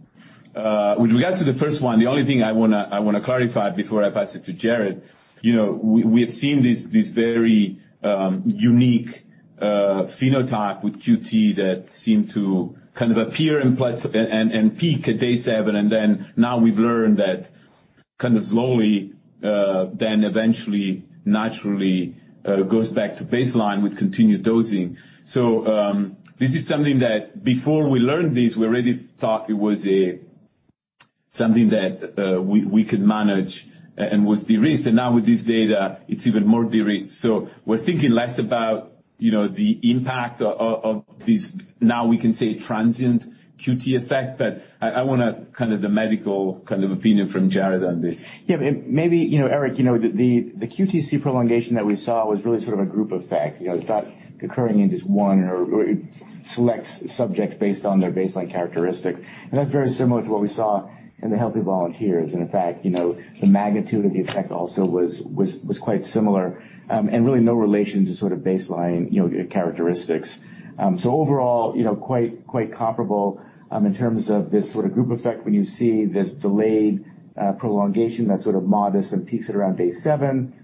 [SPEAKER 2] With regards to the first one, the only thing I wanna clarify before I pass it to Jared, you know, we have seen this very unique phenotype with QT that seemed to kind of appear and peak at day seven, and then now we've learned that kind of slowly then eventually naturally goes back to baseline with continued dosing. This is something that before we learned this, we already thought it was something that we could manage and was de-risked. Now with this data, it's even more de-risked. We're thinking less about, you know, the impact of this now we can say transient QT effect. I wanna kind of the medical kind of opinion from Jared on this.
[SPEAKER 3] Yeah. Maybe, you know, Eric, you know, the QTC prolongation that we saw was really sort of a group effect. You know, it's not occurring in just one or it selects subjects based on their baseline characteristics. That's very similar to what we saw in the healthy volunteers. In fact, you know, the magnitude of the effect also was quite similar, and really no relation to sort of baseline, you know, characteristics. Overall, you know, quite comparable, in terms of this sort of group effect when you see this delayed prolongation that's sort of modest and peaks at around day seven.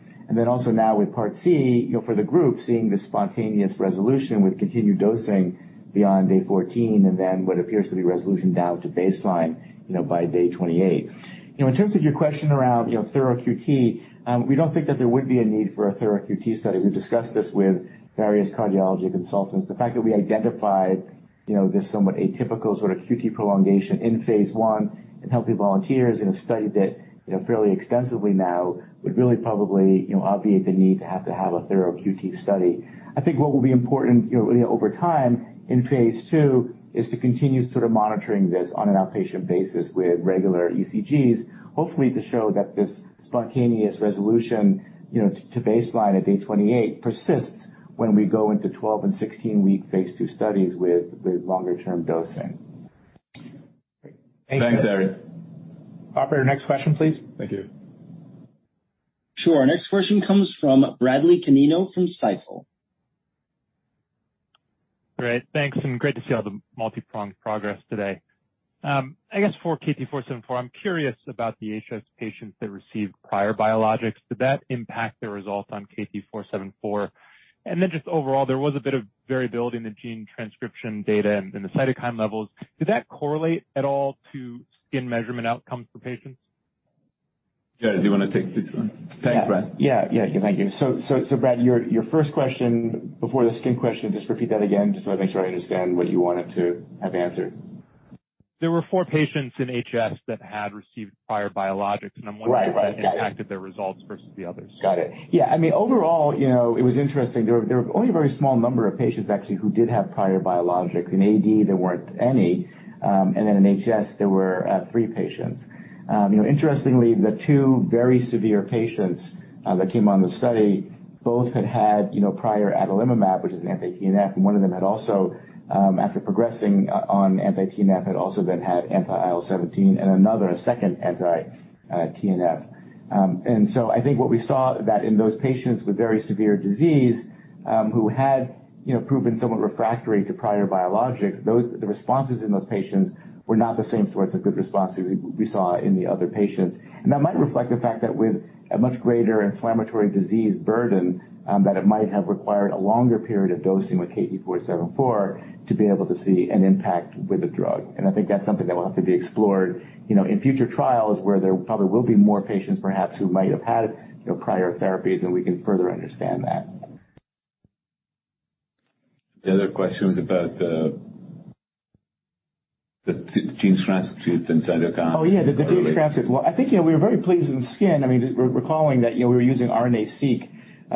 [SPEAKER 3] Also now with part C, you know, for the group, seeing the spontaneous resolution with continued dosing beyond day 14, and then what appears to be resolution down to baseline, you know, by day 28. You know, in terms of your question around, you know, ThoroQT, we don't think that there would be a need for a ThoroQT study. We've discussed this with various cardiology consultants. The fact that we identified, you know, this somewhat atypical sort of QT prolongation in phase I in healthy volunteers in a study that, you know, fairly extensively now would really probably, you know, obviate the need to have a ThoroQT study. I think what will be important, you know, over time in phase II, is to continue sort of monitoring this on an outpatient basis with regular ECGs, hopefully to show that this spontaneous resolution, you know, to baseline at day 28 persists when we go into 12 and 16 week phase II studies with longer term dosing.
[SPEAKER 2] Thanks, Eric.
[SPEAKER 1] Operator, next question, please. Thank you.
[SPEAKER 4] Sure. Next question comes from Bradley Canino from Stifel.
[SPEAKER 8] Great. Thanks, great to see all the multipronged progress today. I guess for KT-474, I'm curious about the HS patients that received prior biologics. Did that impact the results on KT-474? Just overall, there was a bit of variability in the gene transcription data and in the cytokine levels. Did that correlate at all to skin measurement outcomes for patients?
[SPEAKER 2] Jared, do you wanna take this one? Thanks, Brad.
[SPEAKER 3] Yeah. Yeah. Yeah. Thank you. Brad, your first question before the skin question, just repeat that again just so I make sure I understand what you wanted to have answered.
[SPEAKER 8] There were four patients in HS that had received prior biologics, and I'm wondering.
[SPEAKER 3] Right. Right. Got it.
[SPEAKER 8] If that impacted their results versus the others.
[SPEAKER 3] Got it. Yeah. I mean, overall, you know, it was interesting. There were only a very small number of patients actually who did have prior biologics. In AD, there weren't any. Then in HS, there were three patients. You know, interestingly, the two very severe patients that came on the study both had had, you know, prior adalimumab, which is an anti-TNF. One of them had also, after progressing on anti-TNF, had also then had anti-IL-17 and another, a 2nd anti-TNF. I think what we saw that in those patients with very severe disease who had, you know, proven somewhat refractory to prior biologics, the responses in those patients were not the same sorts of good responses we saw in the other patients. That might reflect the fact that with a much greater inflammatory disease burden, that it might have required a longer period of dosing with KT-474 to be able to see an impact with the drug. I think that's something that will have to be explored, you know, in future trials where there probably will be more patients perhaps who might have had, you know, prior therapies, and we can further understand that.
[SPEAKER 2] The other question was about, the t-gene transcripts and cytokine.
[SPEAKER 3] Oh, yeah, the gene transcripts. Well, I think, you know, we were very pleased in skin. I mean, we're recalling that, you know, we were using RNA-seq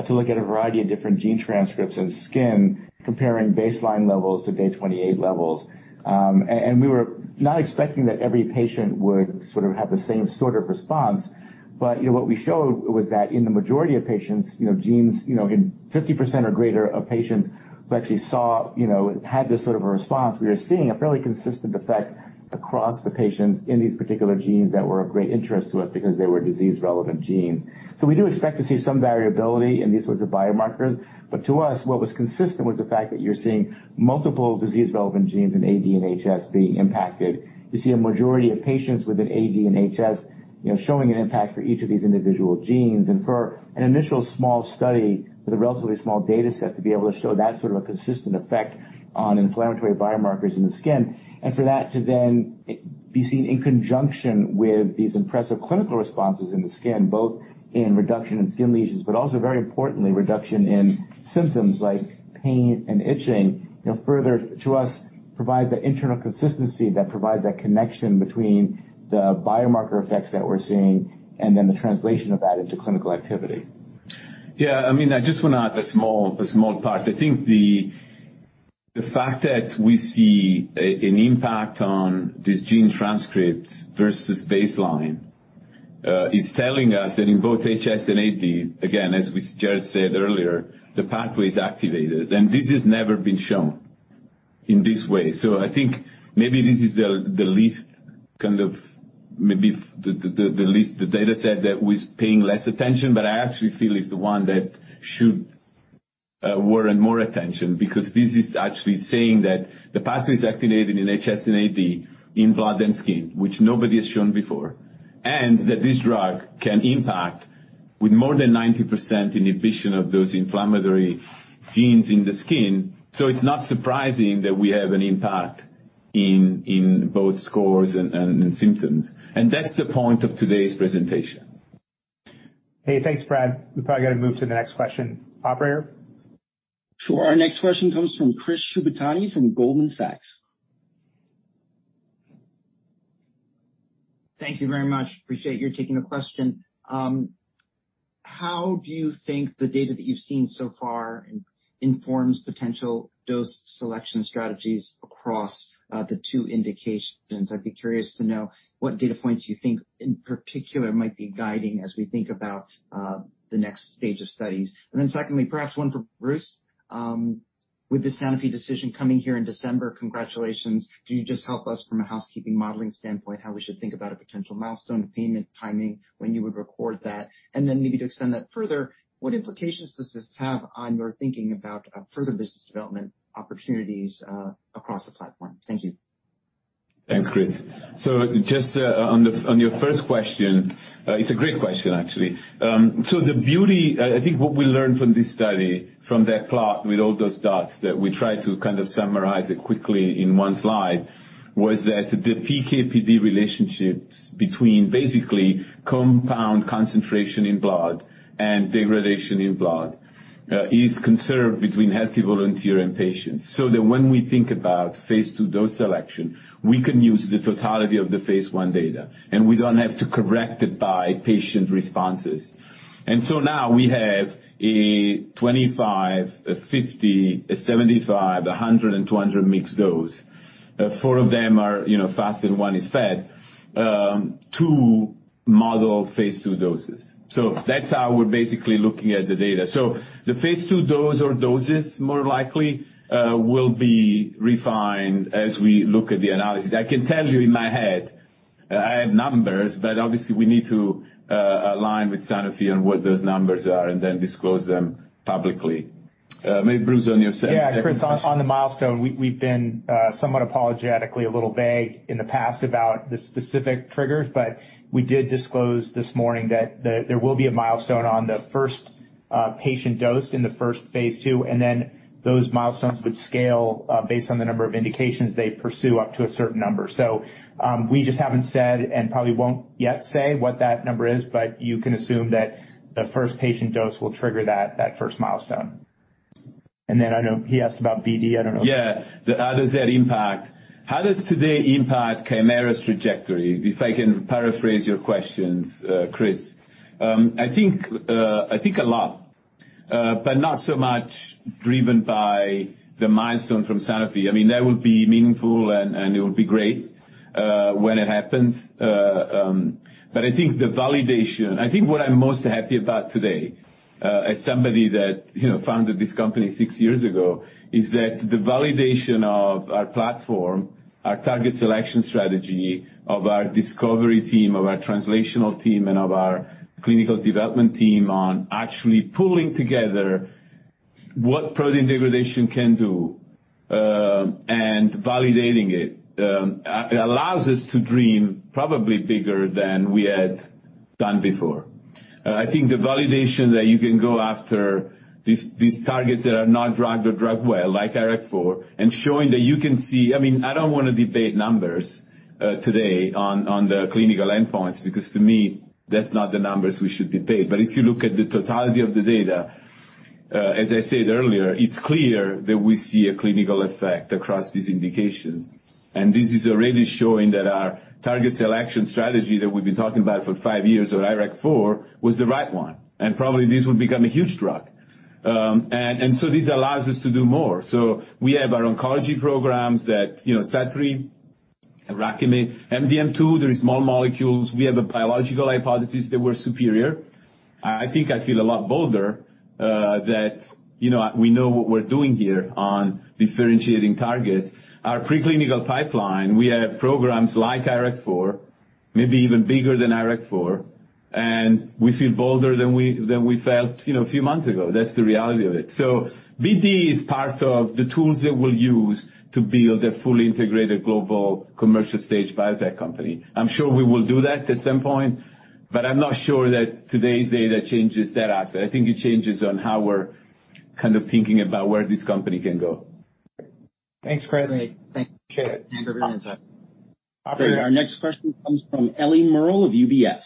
[SPEAKER 3] to look at a variety of different gene transcripts in skin, comparing baseline levels to day 28 levels. We were not expecting that every patient would sort of have the same sort of response. You know, what we showed was that in the majority of patients, you know, genes, you know, in 50% or greater of patients, we actually saw, you know, had this sort of a response. We are seeing a fairly consistent effect across the patients in these particular genes that were of great interest to us because they were disease relevant genes. We do expect to see some variability in these sorts of biomarkers. To us, what was consistent was the fact that you're seeing multiple disease relevant genes in AD and HS being impacted. You see a majority of patients within AD and HS, you know, showing an impact for each of these individual genes. For an initial small study with a relatively small data set to be able to show that sort of a consistent effect on inflammatory biomarkers in the skin, and for that to then be seen in conjunction with these impressive clinical responses in the skin, both in reduction in skin lesions, but also very importantly, reduction in symptoms like pain and itching, you know, further to us provides the internal consistency that provides that connection between the biomarker effects that we're seeing and then the translation of that into clinical activity.
[SPEAKER 2] Yeah. I mean, I just wanna add a small part. I think the fact that we see an impact on these gene transcripts versus baseline is telling us that in both HS and AD, again, as Jared said earlier, the pathway is activated, this has never been shown in this way. I think maybe this is the least kind of maybe the least the data set that we're paying less attention, but I actually feel is the one that should warrant more attention because this is actually saying that the pathway is activated in HS and AD in blood and skin, which nobody has shown before, that this drug can impact with more than 90% inhibition of those inflammatory genes in the skin. It's not surprising that we have an impact in both scores and symptoms. That's the point of today's presentation.
[SPEAKER 1] Hey, thanks, Brad. We probably got to move to the next question. Operator?
[SPEAKER 4] Sure. Our next question comes from Chris Shibutani from Goldman Sachs.
[SPEAKER 9] Thank you very much. Appreciate you taking the question. How do you think the data that you've seen so far informs potential dose selection strategies across the two indications? I'd be curious to know what data points you think in particular might be guiding as we think about the next stage of studies. Secondly, perhaps one for Bruce. With the Sanofi decision coming here in December, congratulations. Can you just help us from a housekeeping modeling standpoint, how we should think about a potential milestone, the payment timing, when you would record that? Maybe to extend that further, what implications does this have on your thinking about further business development opportunities across the platform? Thank you.
[SPEAKER 2] Thanks, Chris. Just on the, on your first question, it's a great question, actually. I think what we learned from this study, from that plot with all those dots that we tried to kind of summarize it quickly in 1 slide, was that the PK/PD relationships between basically compound concentration in blood and degradation in blood, is conserved between healthy volunteer and patients. Now we have a 25, a 50, a 75, a 100, and 200 mg dose. 4 of them are, you know, fast and 1 is fed, to model phase 2 doses. That's how we're basically looking at the data. The phase 2 dose or doses, more likely, will be refined as we look at the analysis. I can tell you in my head I have numbers, but obviously we need to align with Sanofi on what those numbers are and then disclose them publicly. Maybe Bruce, on your second question.
[SPEAKER 1] Chris, on the milestone, we've been somewhat apologetically a little vague in the past about the specific triggers. We did disclose this morning that there will be a milestone on the first patient dose in the first phase 2, and then those milestones would scale based on the number of indications they pursue up to a certain number. We just haven't said, and probably won't yet say, what that number is, but you can assume that the first patient dose will trigger that first milestone. I know he asked about BD. I don't know.
[SPEAKER 2] Yeah. How does that impact? How does today impact Kymera's trajectory? If I can paraphrase your questions, Chris. I think a lot, but not so much driven by the milestone from Sanofi. I mean, that would be meaningful, and it would be great when it happens. I think what I'm most happy about today, as somebody that, you know, founded this company six years ago, is that the validation of our platform, our target selection strategy, of our discovery team, of our translational team, and of our clinical development team on actually pulling together what protein degradation can do, and validating it, allows us to dream probably bigger than we had done before. I think the validation that you can go after these targets that are not drugged or drugged well, like IRAK4, and showing that you can see... I mean, I don't wanna debate numbers today on the clinical endpoints because to me, that's not the numbers we should debate. If you look at the totality of the data, as I said earlier, it's clear that we see a clinical effect across these indications. This is already showing that our target selection strategy that we've been talking about for 5 years on IRAK4 was the right one, and probably this will become a huge drug. This allows us to do more. We have our oncology programs that, you know, STAT3, IRAKIMiD, MDM2, there is small molecules. We have a biological hypothesis that we're superior. I think I feel a lot bolder, that, you know, we know what we're doing here on differentiating targets. Our preclinical pipeline, we have programs like IRAK4, maybe even bigger than IRAK4, and we feel bolder than we felt, you know, a few months ago. That's the reality of it. BD is part of the tools that we'll use to build a fully integrated global commercial stage biotech company. I'm sure we will do that at some point, I'm not sure that today's data changes that aspect. It changes on how we're kind of thinking about where this company can go.
[SPEAKER 1] Thanks, Chris.
[SPEAKER 9] Great. Thank you. Appreciate it.
[SPEAKER 4] Our next question comes from Ellie Merle of UBS.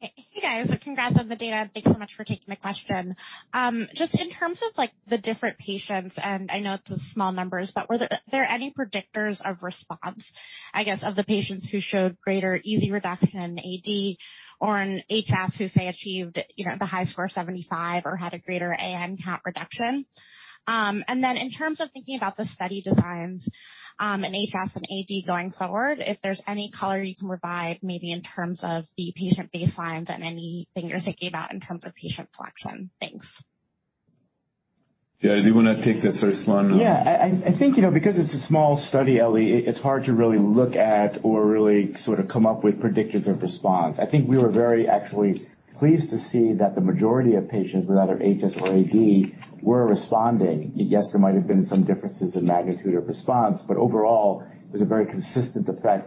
[SPEAKER 10] Hey, guys. Congrats on the data. Thanks so much for taking the question. Just in terms of, like, the different patients, and I know it's a small numbers, but were there any predictors of response, I guess, of the patients who showed greater EV reduction in AD or in HS who, say, achieved, you know, the HiSCR75 or had a greater AN count reduction? And then in terms of thinking about the study designs, in HS and AD going forward, if there's any color you can provide maybe in terms of the patient baselines and anything you're thinking about in terms of patient selection. Thanks.
[SPEAKER 2] Yeah. Do you wanna take the first one?
[SPEAKER 3] Yeah. I think, you know, because it's a small study, Ellie, it's hard to really look at or really sort of come up with predictors of response. I think we were very actually pleased to see that the majority of patients with either HS or AD were responding. Yes, there might have been some differences in magnitude of response, but overall, there's a very consistent effect.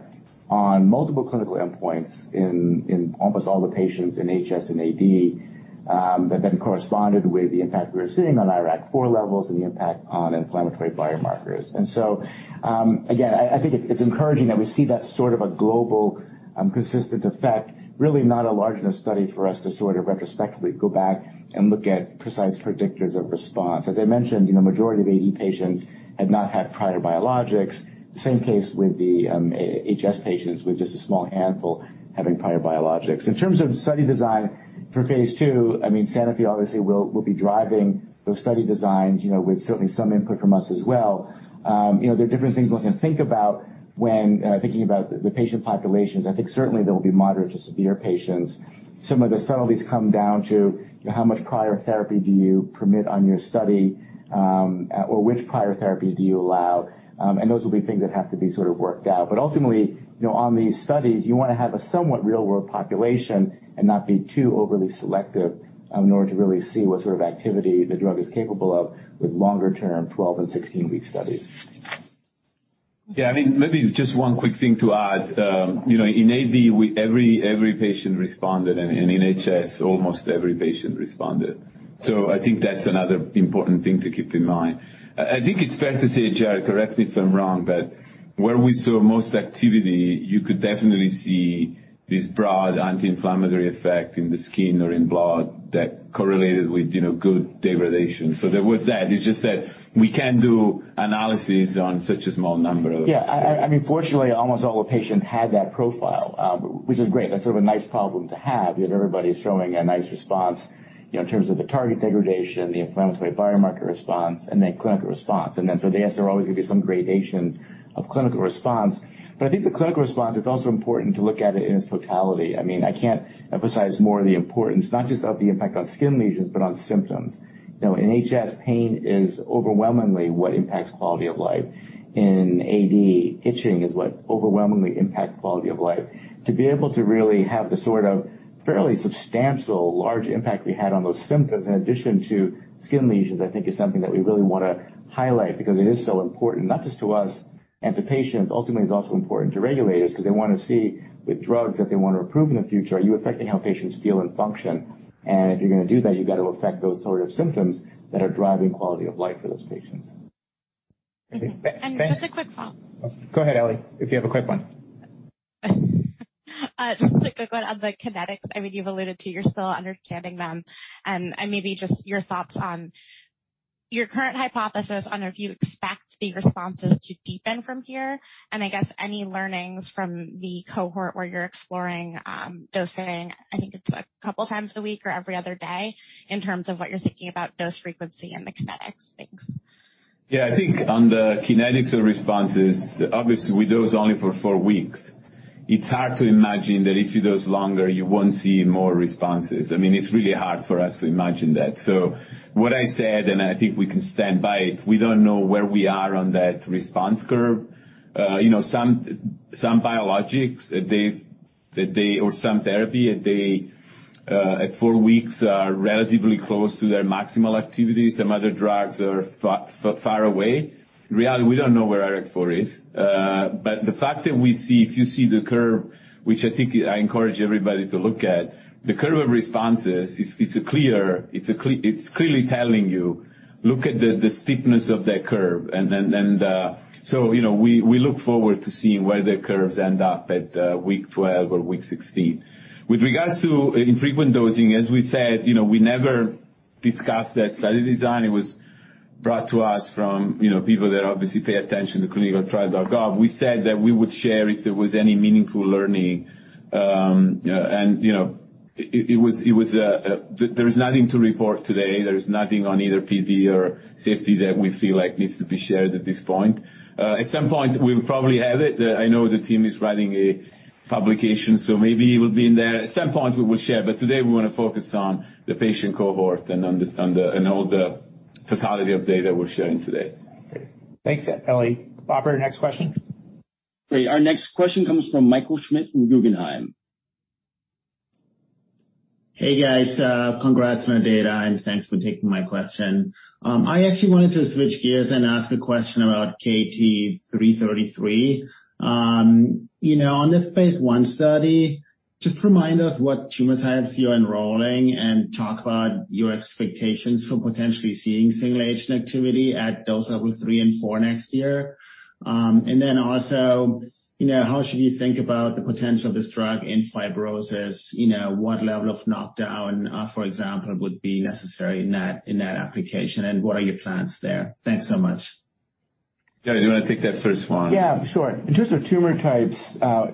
[SPEAKER 3] On multiple clinical endpoints in almost all the patients in HS and AD, that corresponded with the impact we were seeing on IRAK4 levels and the impact on inflammatory biomarkers. Again, I think it's encouraging that we see that sort of a global, consistent effect, really not a large enough study for us to sort of retrospectively go back and look at precise predictors of response. As I mentioned, you know, majority of AD patients had not had prior biologics. The same case with the HS patients, with just a small handful having prior biologics. In terms of study design for phase 2, I mean, Sanofi obviously will be driving those study designs, you know, with certainly some input from us as well. You know, there are different things one can think about when thinking about the patient populations. I think certainly there will be moderate to severe patients. Some of the subtleties come down to how much prior therapy do you permit on your study, or which prior therapies do you allow? Those will be things that have to be sort of worked out. Ultimately, you know, on these studies, you wanna have a somewhat real-world population and not be too overly selective, in order to really see what sort of activity the drug is capable of with longer-term 12 and 16 week studies.
[SPEAKER 2] Yeah, I mean, maybe just one quick thing to add. you know, in AD every patient responded, and in HS, almost every patient responded. I think that's another important thing to keep in mind. I think it's fair to say, Jared, correct me if I'm wrong, but where we saw most activity, you could definitely see this broad anti-inflammatory effect in the skin or in blood that correlated with, you know, good degradation. There was that. It's just that we can do analysis on such a small number of-.
[SPEAKER 3] Yeah. I mean, fortunately, almost all the patients had that profile, which is great. That's sort of a nice problem to have, you know, everybody's showing a nice response, you know, in terms of the target degradation, the inflammatory biomarker response, and then clinical response. Yes, there are always going to be some gradations of clinical response. I think the clinical response, it's also important to look at it in its totality. I mean, I can't emphasize more of the importance, not just of the impact on skin lesions, but on symptoms. You know, in HS, pain is overwhelmingly what impacts quality of life. In AD, itching is what overwhelmingly impact quality of life. To be able to really have the sort of fairly substantial large impact we had on those symptoms in addition to skin lesions, I think is something that we really wanna highlight because it is so important, not just to us and to patients, ultimately, it's also important to regulators because they wanna see with drugs that they want to approve in the future, are you affecting how patients feel and function? If you're gonna do that, you got to affect those sort of symptoms that are driving quality of life for those patients.
[SPEAKER 10] Just a quick follow-up.
[SPEAKER 3] Go ahead, Ellie, if you have a quick one.
[SPEAKER 10] Just a quick one on the kinetics. I mean, you've alluded to you're still understanding them and maybe just your thoughts on your current hypothesis on if you expect the responses to deepen from here. I guess any learnings from the cohort where you're exploring dosing, I think it's a couple times a week or every other day, in terms of what you're thinking about dose frequency and the kinetics. Thanks.
[SPEAKER 2] Yeah. I think on the kinetics of responses, obviously, we dose only for four weeks. It's hard to imagine that if you dose longer, you won't see more responses. I mean, it's really hard for us to imagine that. What I said, and I think we can stand by it, we don't know where we are on that response curve. You know, some biologics, they or some therapy, at four weeks are relatively close to their maximal activity. Some other drugs are far away. In reality, we don't know where KT-474 is. The fact that we see, if you see the curve, which I think I encourage everybody to look at, the curve of responses is a clear, it's clearly telling you, look at the steepness of that curve. You know, we look forward to seeing where the curves end up at week 12 or week 16. With regards to infrequent dosing, as we said, you know, we never discussed that study design. It was brought to us from, you know, people that obviously pay attention to ClinicalTrials.gov. We said that we would share if there was any meaningful learning. There's nothing to report today. There's nothing on either PD or safety that we feel like needs to be shared at this point. At some point, we'll probably have it. I know the team is writing a publication. Maybe it will be in there. At some point, we will share. Today we wanna focus on the patient cohort and understand all the totality of data we're sharing today.
[SPEAKER 1] Thanks, Ellie. Operator, next question.
[SPEAKER 4] Great. Our next question comes from Michael Schmidt from Guggenheim.
[SPEAKER 11] Hey, guys. Congrats on the data, and thanks for taking my question. I actually wanted to switch gears and ask a question about KT-333. You know, on this phase I study, just remind us what tumor types you're enrolling and talk about your expectations for potentially seeing single agent activity at dose level three and four next year. Also, you know, how should you think about the potential of this drug in fibrosis? You know, what level of knockdown, for example, would be necessary in that, in that application, and what are your plans there? Thanks so much.
[SPEAKER 2] Jared, do you wanna take that first one?
[SPEAKER 3] Yeah, sure. In terms of tumor types,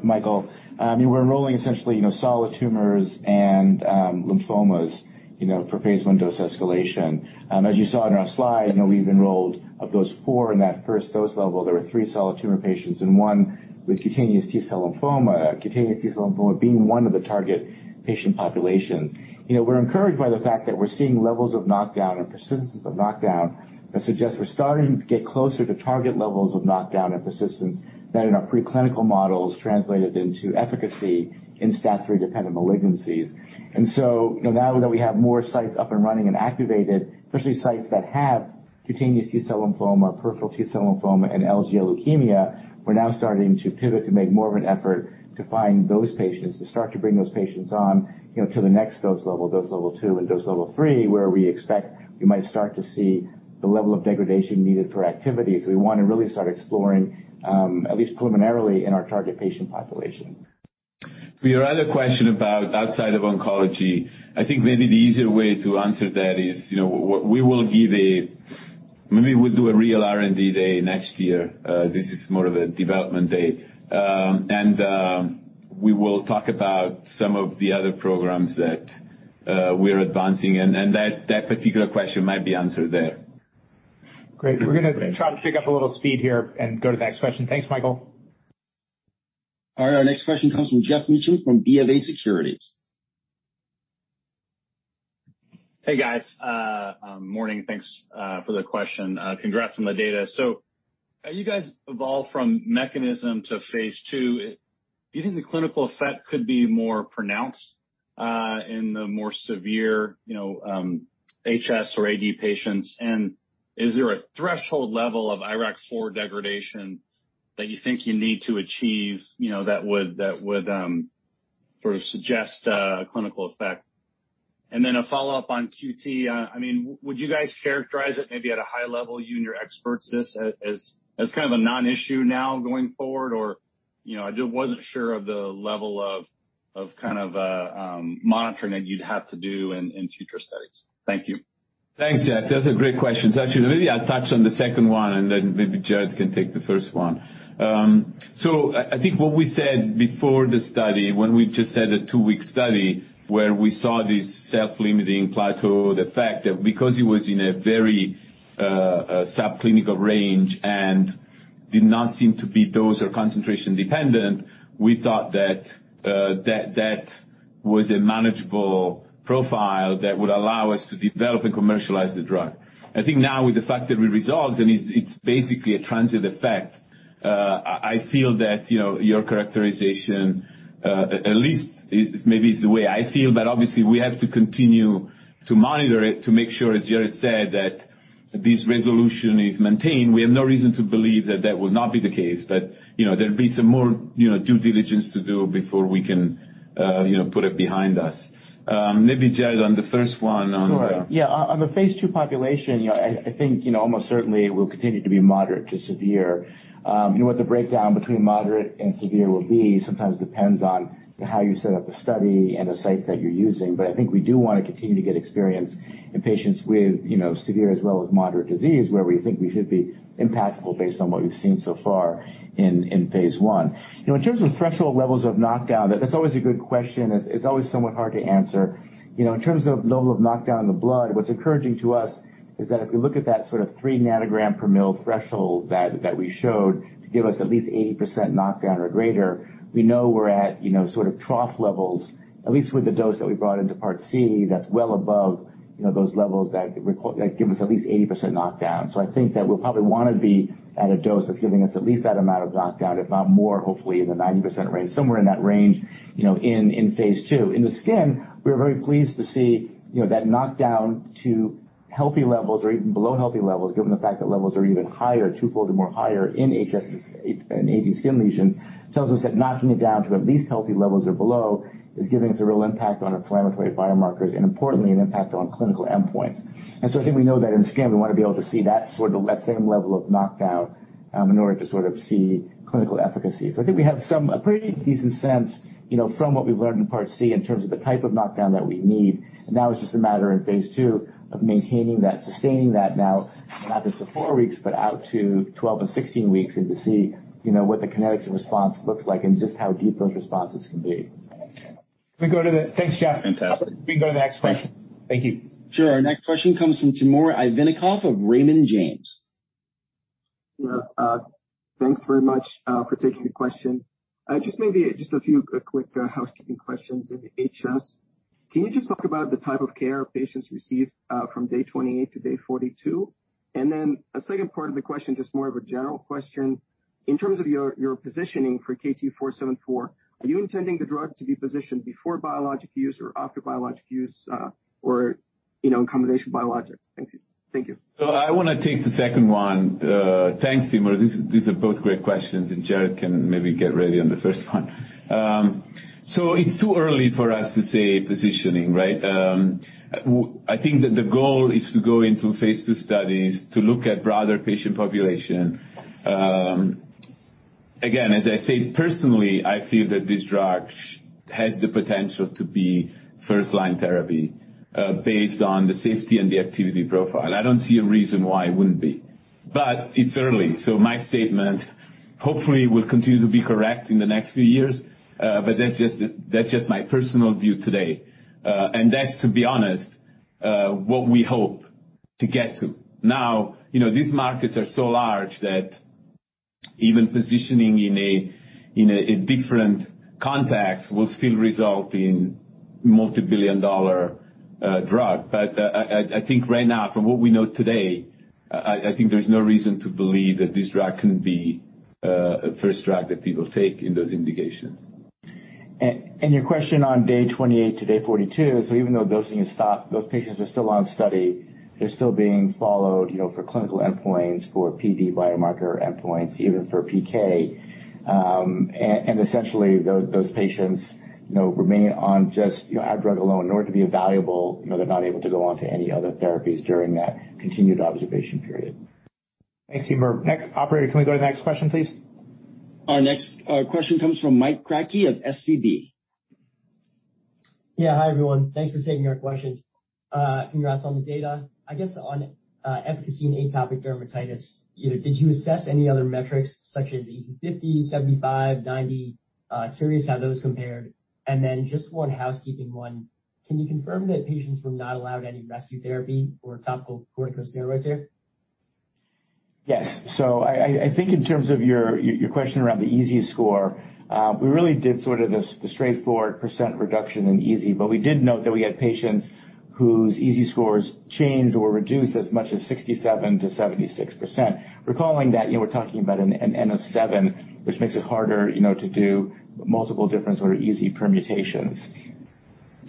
[SPEAKER 3] Michael, we're enrolling essentially, you know, solid tumors and lymphomas, you know, for phase I dose escalation. As you saw in our slide, you know, we've enrolled of those four in that 1st dose level, there were three solid tumor patients and one with cutaneous T-cell lymphoma, cutaneous T-cell lymphoma being one of the target patient populations. You know, we're encouraged by the fact that we're seeing levels of knockdown and persistence of knockdown that suggests we're starting to get closer to target levels of knockdown and persistence that in our preclinical models translated into efficacy in STAT3-dependent malignancies. You know, now that we have more sites up and running and activated, especially sites that have cutaneous T-cell lymphoma, peripheral T-cell lymphoma, and LGL leukemia, we're now starting to pivot to make more of an effort to find those patients, to start to bring those patients on, you know, to the next dose level, dose level two and dose level three, where we expect we might start to see the level of degradation needed for activity. We wanna really start exploring, at least preliminarily, in our target patient populations.
[SPEAKER 2] Your other question about outside of oncology, I think maybe the easier way to answer that is, you know, we will give a maybe we'll do a real R&D day next year. This is more of a development day. We will talk about some of the other programs that we're advancing, and that particular question might be answered there.
[SPEAKER 1] Great. We're gonna try to pick up a little speed here and go to the next question. Thanks, Michael.
[SPEAKER 4] All right, our next question comes from Geoff Meacham from BofA Securities.
[SPEAKER 12] Hey, guys. Morning, thanks for the question. Congrats on the data. You guys evolved from mechanism to phase 2. Do you think the clinical effect could be more pronounced, in the more severe, you know, HS or AD patients? Is there a threshold level of IRAK4 degradation that you think you need to achieve, you know, that would sort of suggest a clinical effect? A follow-up on QT. I mean, would you guys characterize it maybe at a high level, you and your experts, this as kind of a non-issue now going forward? Or, you know, I just wasn't sure of the level of kind of a monitoring that you'd have to do in future studies. Thank you.
[SPEAKER 2] Thanks, Geoff. Those are great questions. Actually, maybe I'll touch on the second one, and then maybe Jared can take the first one. I think what we said before the study when we just had a 2-week study where we saw this self-limiting plateau, the fact that because it was in a very subclinical range and did not seem to be dose or concentration dependent, we thought that was a manageable profile that would allow us to develop and commercialize the drug. I think now with the fact that it resolves and it's basically a transient effect, I feel that, you know, your characterization, at least maybe it's the way I feel, but obviously we have to continue to monitor it to make sure, as Jared said, that this resolution is maintained. We have no reason to believe that that would not be the case, but, you know, there'll be some more, you know, due diligence to do before we can, you know, put it behind us. Maybe Jared, on the first one.
[SPEAKER 3] Sure. Yeah, on the phase 2 population, you know, I think, you know, almost certainly it will continue to be moderate to severe. What the breakdown between moderate and severe will be sometimes depends on how you set up the study and the sites that you're using. I think we do wanna continue to get experience in patients with, you know, severe as well as moderate disease, where we think we should be impactful based on what we've seen so far in phase 1. You know, in terms of threshold levels of knockdown, that's always a good question. It's always somewhat hard to answer. You know, in terms of level of knockdown in the blood, what's encouraging to us is that if we look at that sort of 3 nanogram per mil threshold that we showed to give us at least 80% knockdown or greater, we know we're at, you know, sort of trough levels, at least with the dose that we brought into part C that's well above, you know, those levels that give us at least 80% knockdown. I think that we'll probably wanna be at a dose that's giving us at least that amount of knockdown, if not more, hopefully in the 90% range, somewhere in that range, you know, in phase II. In the skin, we are very pleased to see, you know, that knockdown to healthy levels or even below healthy levels, given the fact that levels are even higher, twofold or more higher in HS and AD skin lesions, tells us that knocking it down to at least healthy levels or below is giving us a real impact on inflammatory biomarkers and importantly, an impact on clinical endpoints. I think we know that in skin, we wanna be able to see that sort of, that same level of knockdown in order to sort of see clinical efficacy. I think we have some, a pretty decent sense, you know, from what we've learned in part C in terms of the type of knockdown that we need. Now it's just a matter of phase II of maintaining that, sustaining that now, not just for four weeks, but out to 12 and 16 weeks, and to see, you know, what the kinetics and response looks like and just how deep those responses can be.
[SPEAKER 1] Thanks, Geoff.
[SPEAKER 12] Fantastic.
[SPEAKER 1] We can go to the next question. Thank you.
[SPEAKER 4] Sure. Our next question comes from Timur Ayvazov of Raymond James.
[SPEAKER 13] Yeah. Thanks very much for taking the question. Just maybe just a few quick housekeeping questions in the HS. Can you just talk about the type of care patients receive from day 28 to day 42? A second part of the question, just more of a general question. In terms of your positioning for KT-474, are you intending the drug to be positioned before biologic use or after biologic use, or, you know, in combination biologics? Thank you. Thank you.
[SPEAKER 2] I want to take the second one. Thanks, Timur. These are both great questions. Jared can maybe get ready on the first one. It's too early for us to say positioning, right? I think that the goal is to go into phase 2 studies to look at broader patient population. Again, as I say, personally, I feel that this drug has the potential to be first-line therapy, based on the safety and the activity profile. I don't see a reason why it wouldn't be. It's early. My statement hopefully will continue to be correct in the next few years. That's just my personal view today. That's to be honest, what we hope to get to. You know, these markets are so large that even positioning in a different context will still result in multibillion-dollar drug. I think right now, from what we know today, I think there's no reason to believe that this drug couldn't be a first drug that people take in those indications.
[SPEAKER 3] Your question on day 28 to day 42, even though dosing has stopped, those patients are still on study. They're still being followed, you know, for clinical endpoints, for PD biomarker endpoints, even for PK. And essentially, those patients, you know, remain on just, you know, our drug alone. In order to be valuable, you know, they're not able to go on to any other therapies during that continued observation period.
[SPEAKER 1] Thanks, Timur. Next, operator, can we go to the next question, please?
[SPEAKER 4] Our next question comes from Mike Kratky of SVB.
[SPEAKER 14] Yeah, hi, everyone. Thanks for taking our questions. Congrats on the data. I guess on efficacy in atopic dermatitis, you know, did you assess any other metrics such as EASI-50, 75, 90? Curious how those compared. Just one housekeeping one. Can you confirm that patients were not allowed any rescue therapy or topical corticosteroids here?
[SPEAKER 3] Yes. I think in terms of your question around the EASI score, we really did sort of the straightforward % reduction in EASI, but we did note that we had patients whose EASI scores changed or reduced as much as 67%-76%. Recalling that, you know, we're talking about an N of 7, which makes it harder, you know, to do multiple different sort of EASI permutations.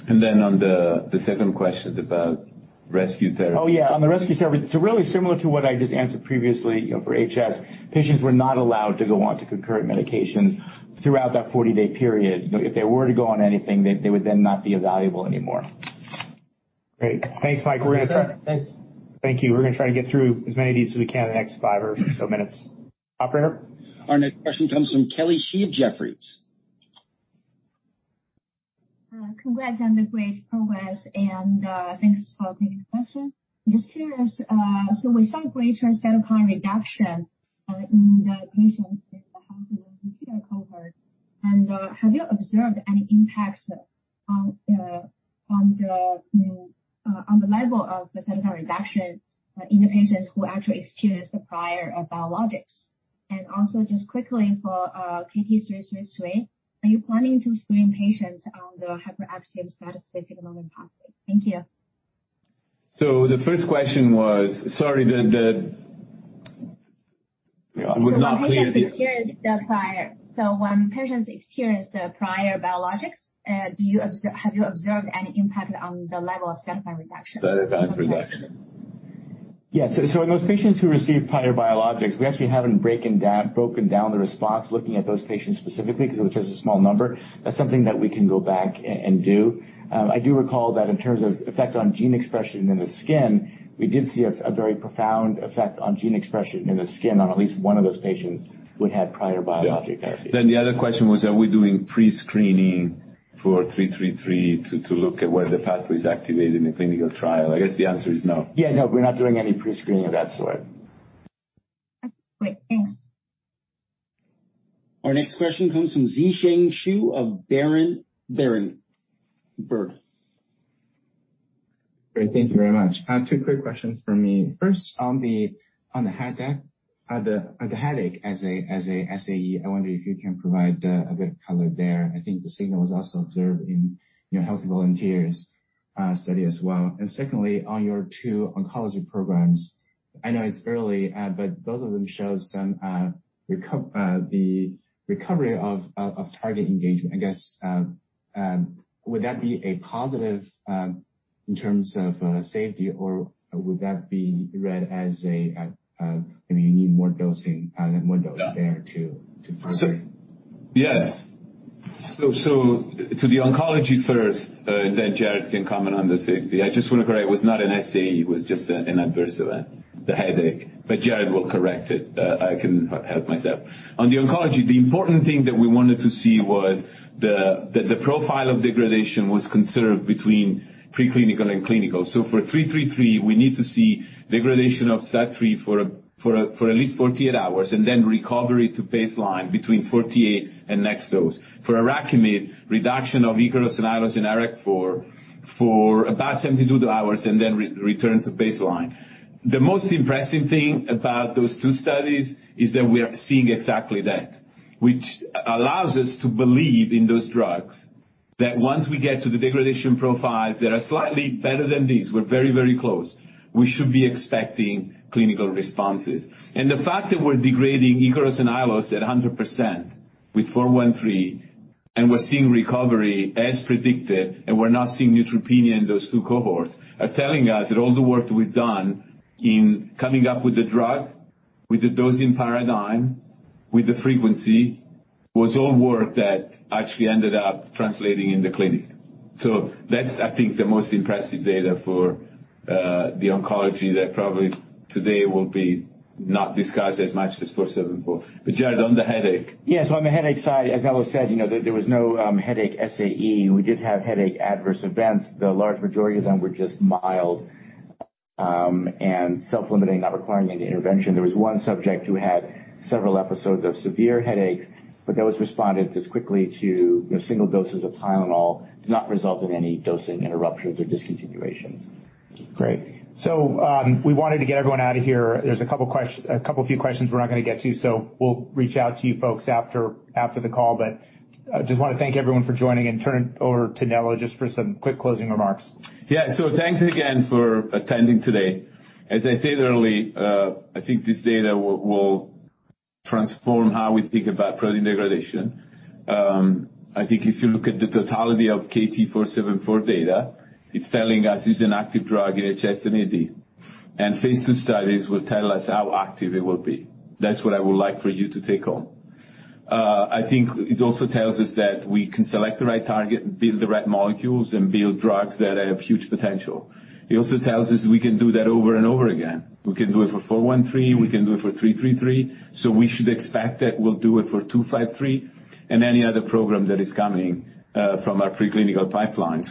[SPEAKER 2] On the second question about rescue therapy.
[SPEAKER 3] Oh yeah, on the rescue therapy. Really similar to what I just answered previously, you know, for HS, patients were not allowed to go onto concurrent medications throughout that 40-day period. You know, if they were to go on anything, they would then not be evaluable anymore.
[SPEAKER 1] Great. Thanks, Mike. We're gonna.
[SPEAKER 14] Thanks.
[SPEAKER 1] Thank you. We're gonna try to get through as many of these as we can in the next five or so minutes. Operator?
[SPEAKER 4] Our next question comes from Kelly Shi of Jefferies.
[SPEAKER 15] Congrats on the great progress and thanks for taking the question. Just curious, we saw greater cytokine reduction in the patients in the healthy volunteer cohort. Have you observed any impacts on the level of the cytokine reduction in the patients who actually experienced the prior biologics? Also, just quickly for KT-333, are you planning to screen patients on the hyperactive STAT3 signaling pathway? Thank you.
[SPEAKER 2] The first question was... Sorry, the... It was not clear...
[SPEAKER 15] When patients experienced the prior biologics, have you observed any impact on the level of cytokine reduction?
[SPEAKER 2] Cytokine reduction.
[SPEAKER 3] Yeah. In those patients who received prior biologics, we actually haven't broken down the response looking at those patients specifically because it was just a small number. That's something that we can go back and do. I do recall that in terms of effect on gene expression in the skin, we did see a very profound effect on gene expression in the skin on at least one of those patients who'd had prior biologic therapy.
[SPEAKER 2] Yeah. The other question was, are we doing pre-screening for KT-333 to look at where the pathway is activated in the clinical trial? I guess the answer is no.
[SPEAKER 3] Yeah, no, we're not doing any pre-screening of that sort.
[SPEAKER 15] Great. Thanks.
[SPEAKER 4] Our next question comes from Zisheng Chu of Baron.
[SPEAKER 16] Great. Thank you very much. Two quick questions from me. First, on the, on the headache as a SAE, I wonder if you can provide a bit of color there. I think the signal was also observed in, you know, healthy volunteers study as well. Secondly, on your two oncology programs, I know it's early, but both of them show some the recovery of target engagement. I guess, would that be a positive in terms of safety, or would that be read as a you need more dosing, more dose there to further?
[SPEAKER 2] Yes. The oncology first, then Jared can comment on the safety. I just wanna correct, it was not an SAE, it was just an Adverse Event, the headache. Jared will correct it. I couldn't help myself. On the oncology, the important thing that we wanted to see was the profile of degradation was considered between preclinical and clinical. For KT-333, we need to see degradation of STAT3 for at least 48 hours and then recovery to baseline between 48 and next dose. For IRAKIMiD, reduction of Ikaros and Aiolos in IRAKIMiD for about 72 hours and then return to baseline. The most impressive thing about those two studies is that we are seeing exactly that, which allows us to believe in those drugs, that once we get to the degradation profiles that are slightly better than these, we're very, very close, we should be expecting clinical responses. The fact that we're degrading Ikaros and Aiolos at 100% with KT-413 and we're seeing recovery as predicted, and we're not seeing neutropenia in those two cohorts, are telling us that all the work that we've done in coming up with the drug, with the dosing paradigm, with the frequency, was all work that actually ended up translating in the clinic. That's, I think, the most impressive data for the oncology that probably today will be not discussed as much as KT-474. Jared, on the headache.
[SPEAKER 3] Yeah. On the headache side, as Nello said, you know, there was no headache SAE. We did have headache adverse events. The large majority of them were just mild and self-limiting, not requiring any intervention. There was one subject who had several episodes of severe headaches, that was responded as quickly to, you know, single doses of Tylenol, did not result in any dosing interruptions or discontinuations.
[SPEAKER 1] Great. We wanted to get everyone out of here. There's a couple few questions we're not gonna get to, so we'll reach out to you folks after the call. Just wanna thank everyone for joining and turn it over to Nello just for some quick closing remarks.
[SPEAKER 2] Yeah. Thanks again for attending today. As I said earlier, I think this data will transform how we think about protein degradation. I think if you look at the totality of KT-474 data, it's telling us it's an active drug in HS and AD. Phase II studies will tell us how active it will be. That's what I would like for you to take home. I think it also tells us that we can select the right target, build the right molecules and build drugs that have huge potential. It also tells us we can do that over and over again. We can do it for 413, we can do it for 333. We should expect that we'll do it for 253 and any other program that is coming from our preclinical pipeline.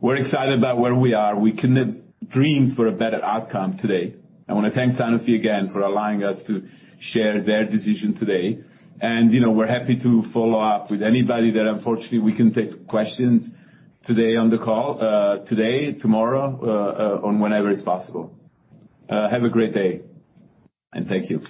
[SPEAKER 2] We're excited about where we are. We couldn't dream for a better outcome today. I want to thank Sanofi again for allowing us to share their decision today. You know, we're happy to follow up with anybody that unfortunately we couldn't take questions today on the call, today, tomorrow, on whenever is possible. Have a great day and thank you.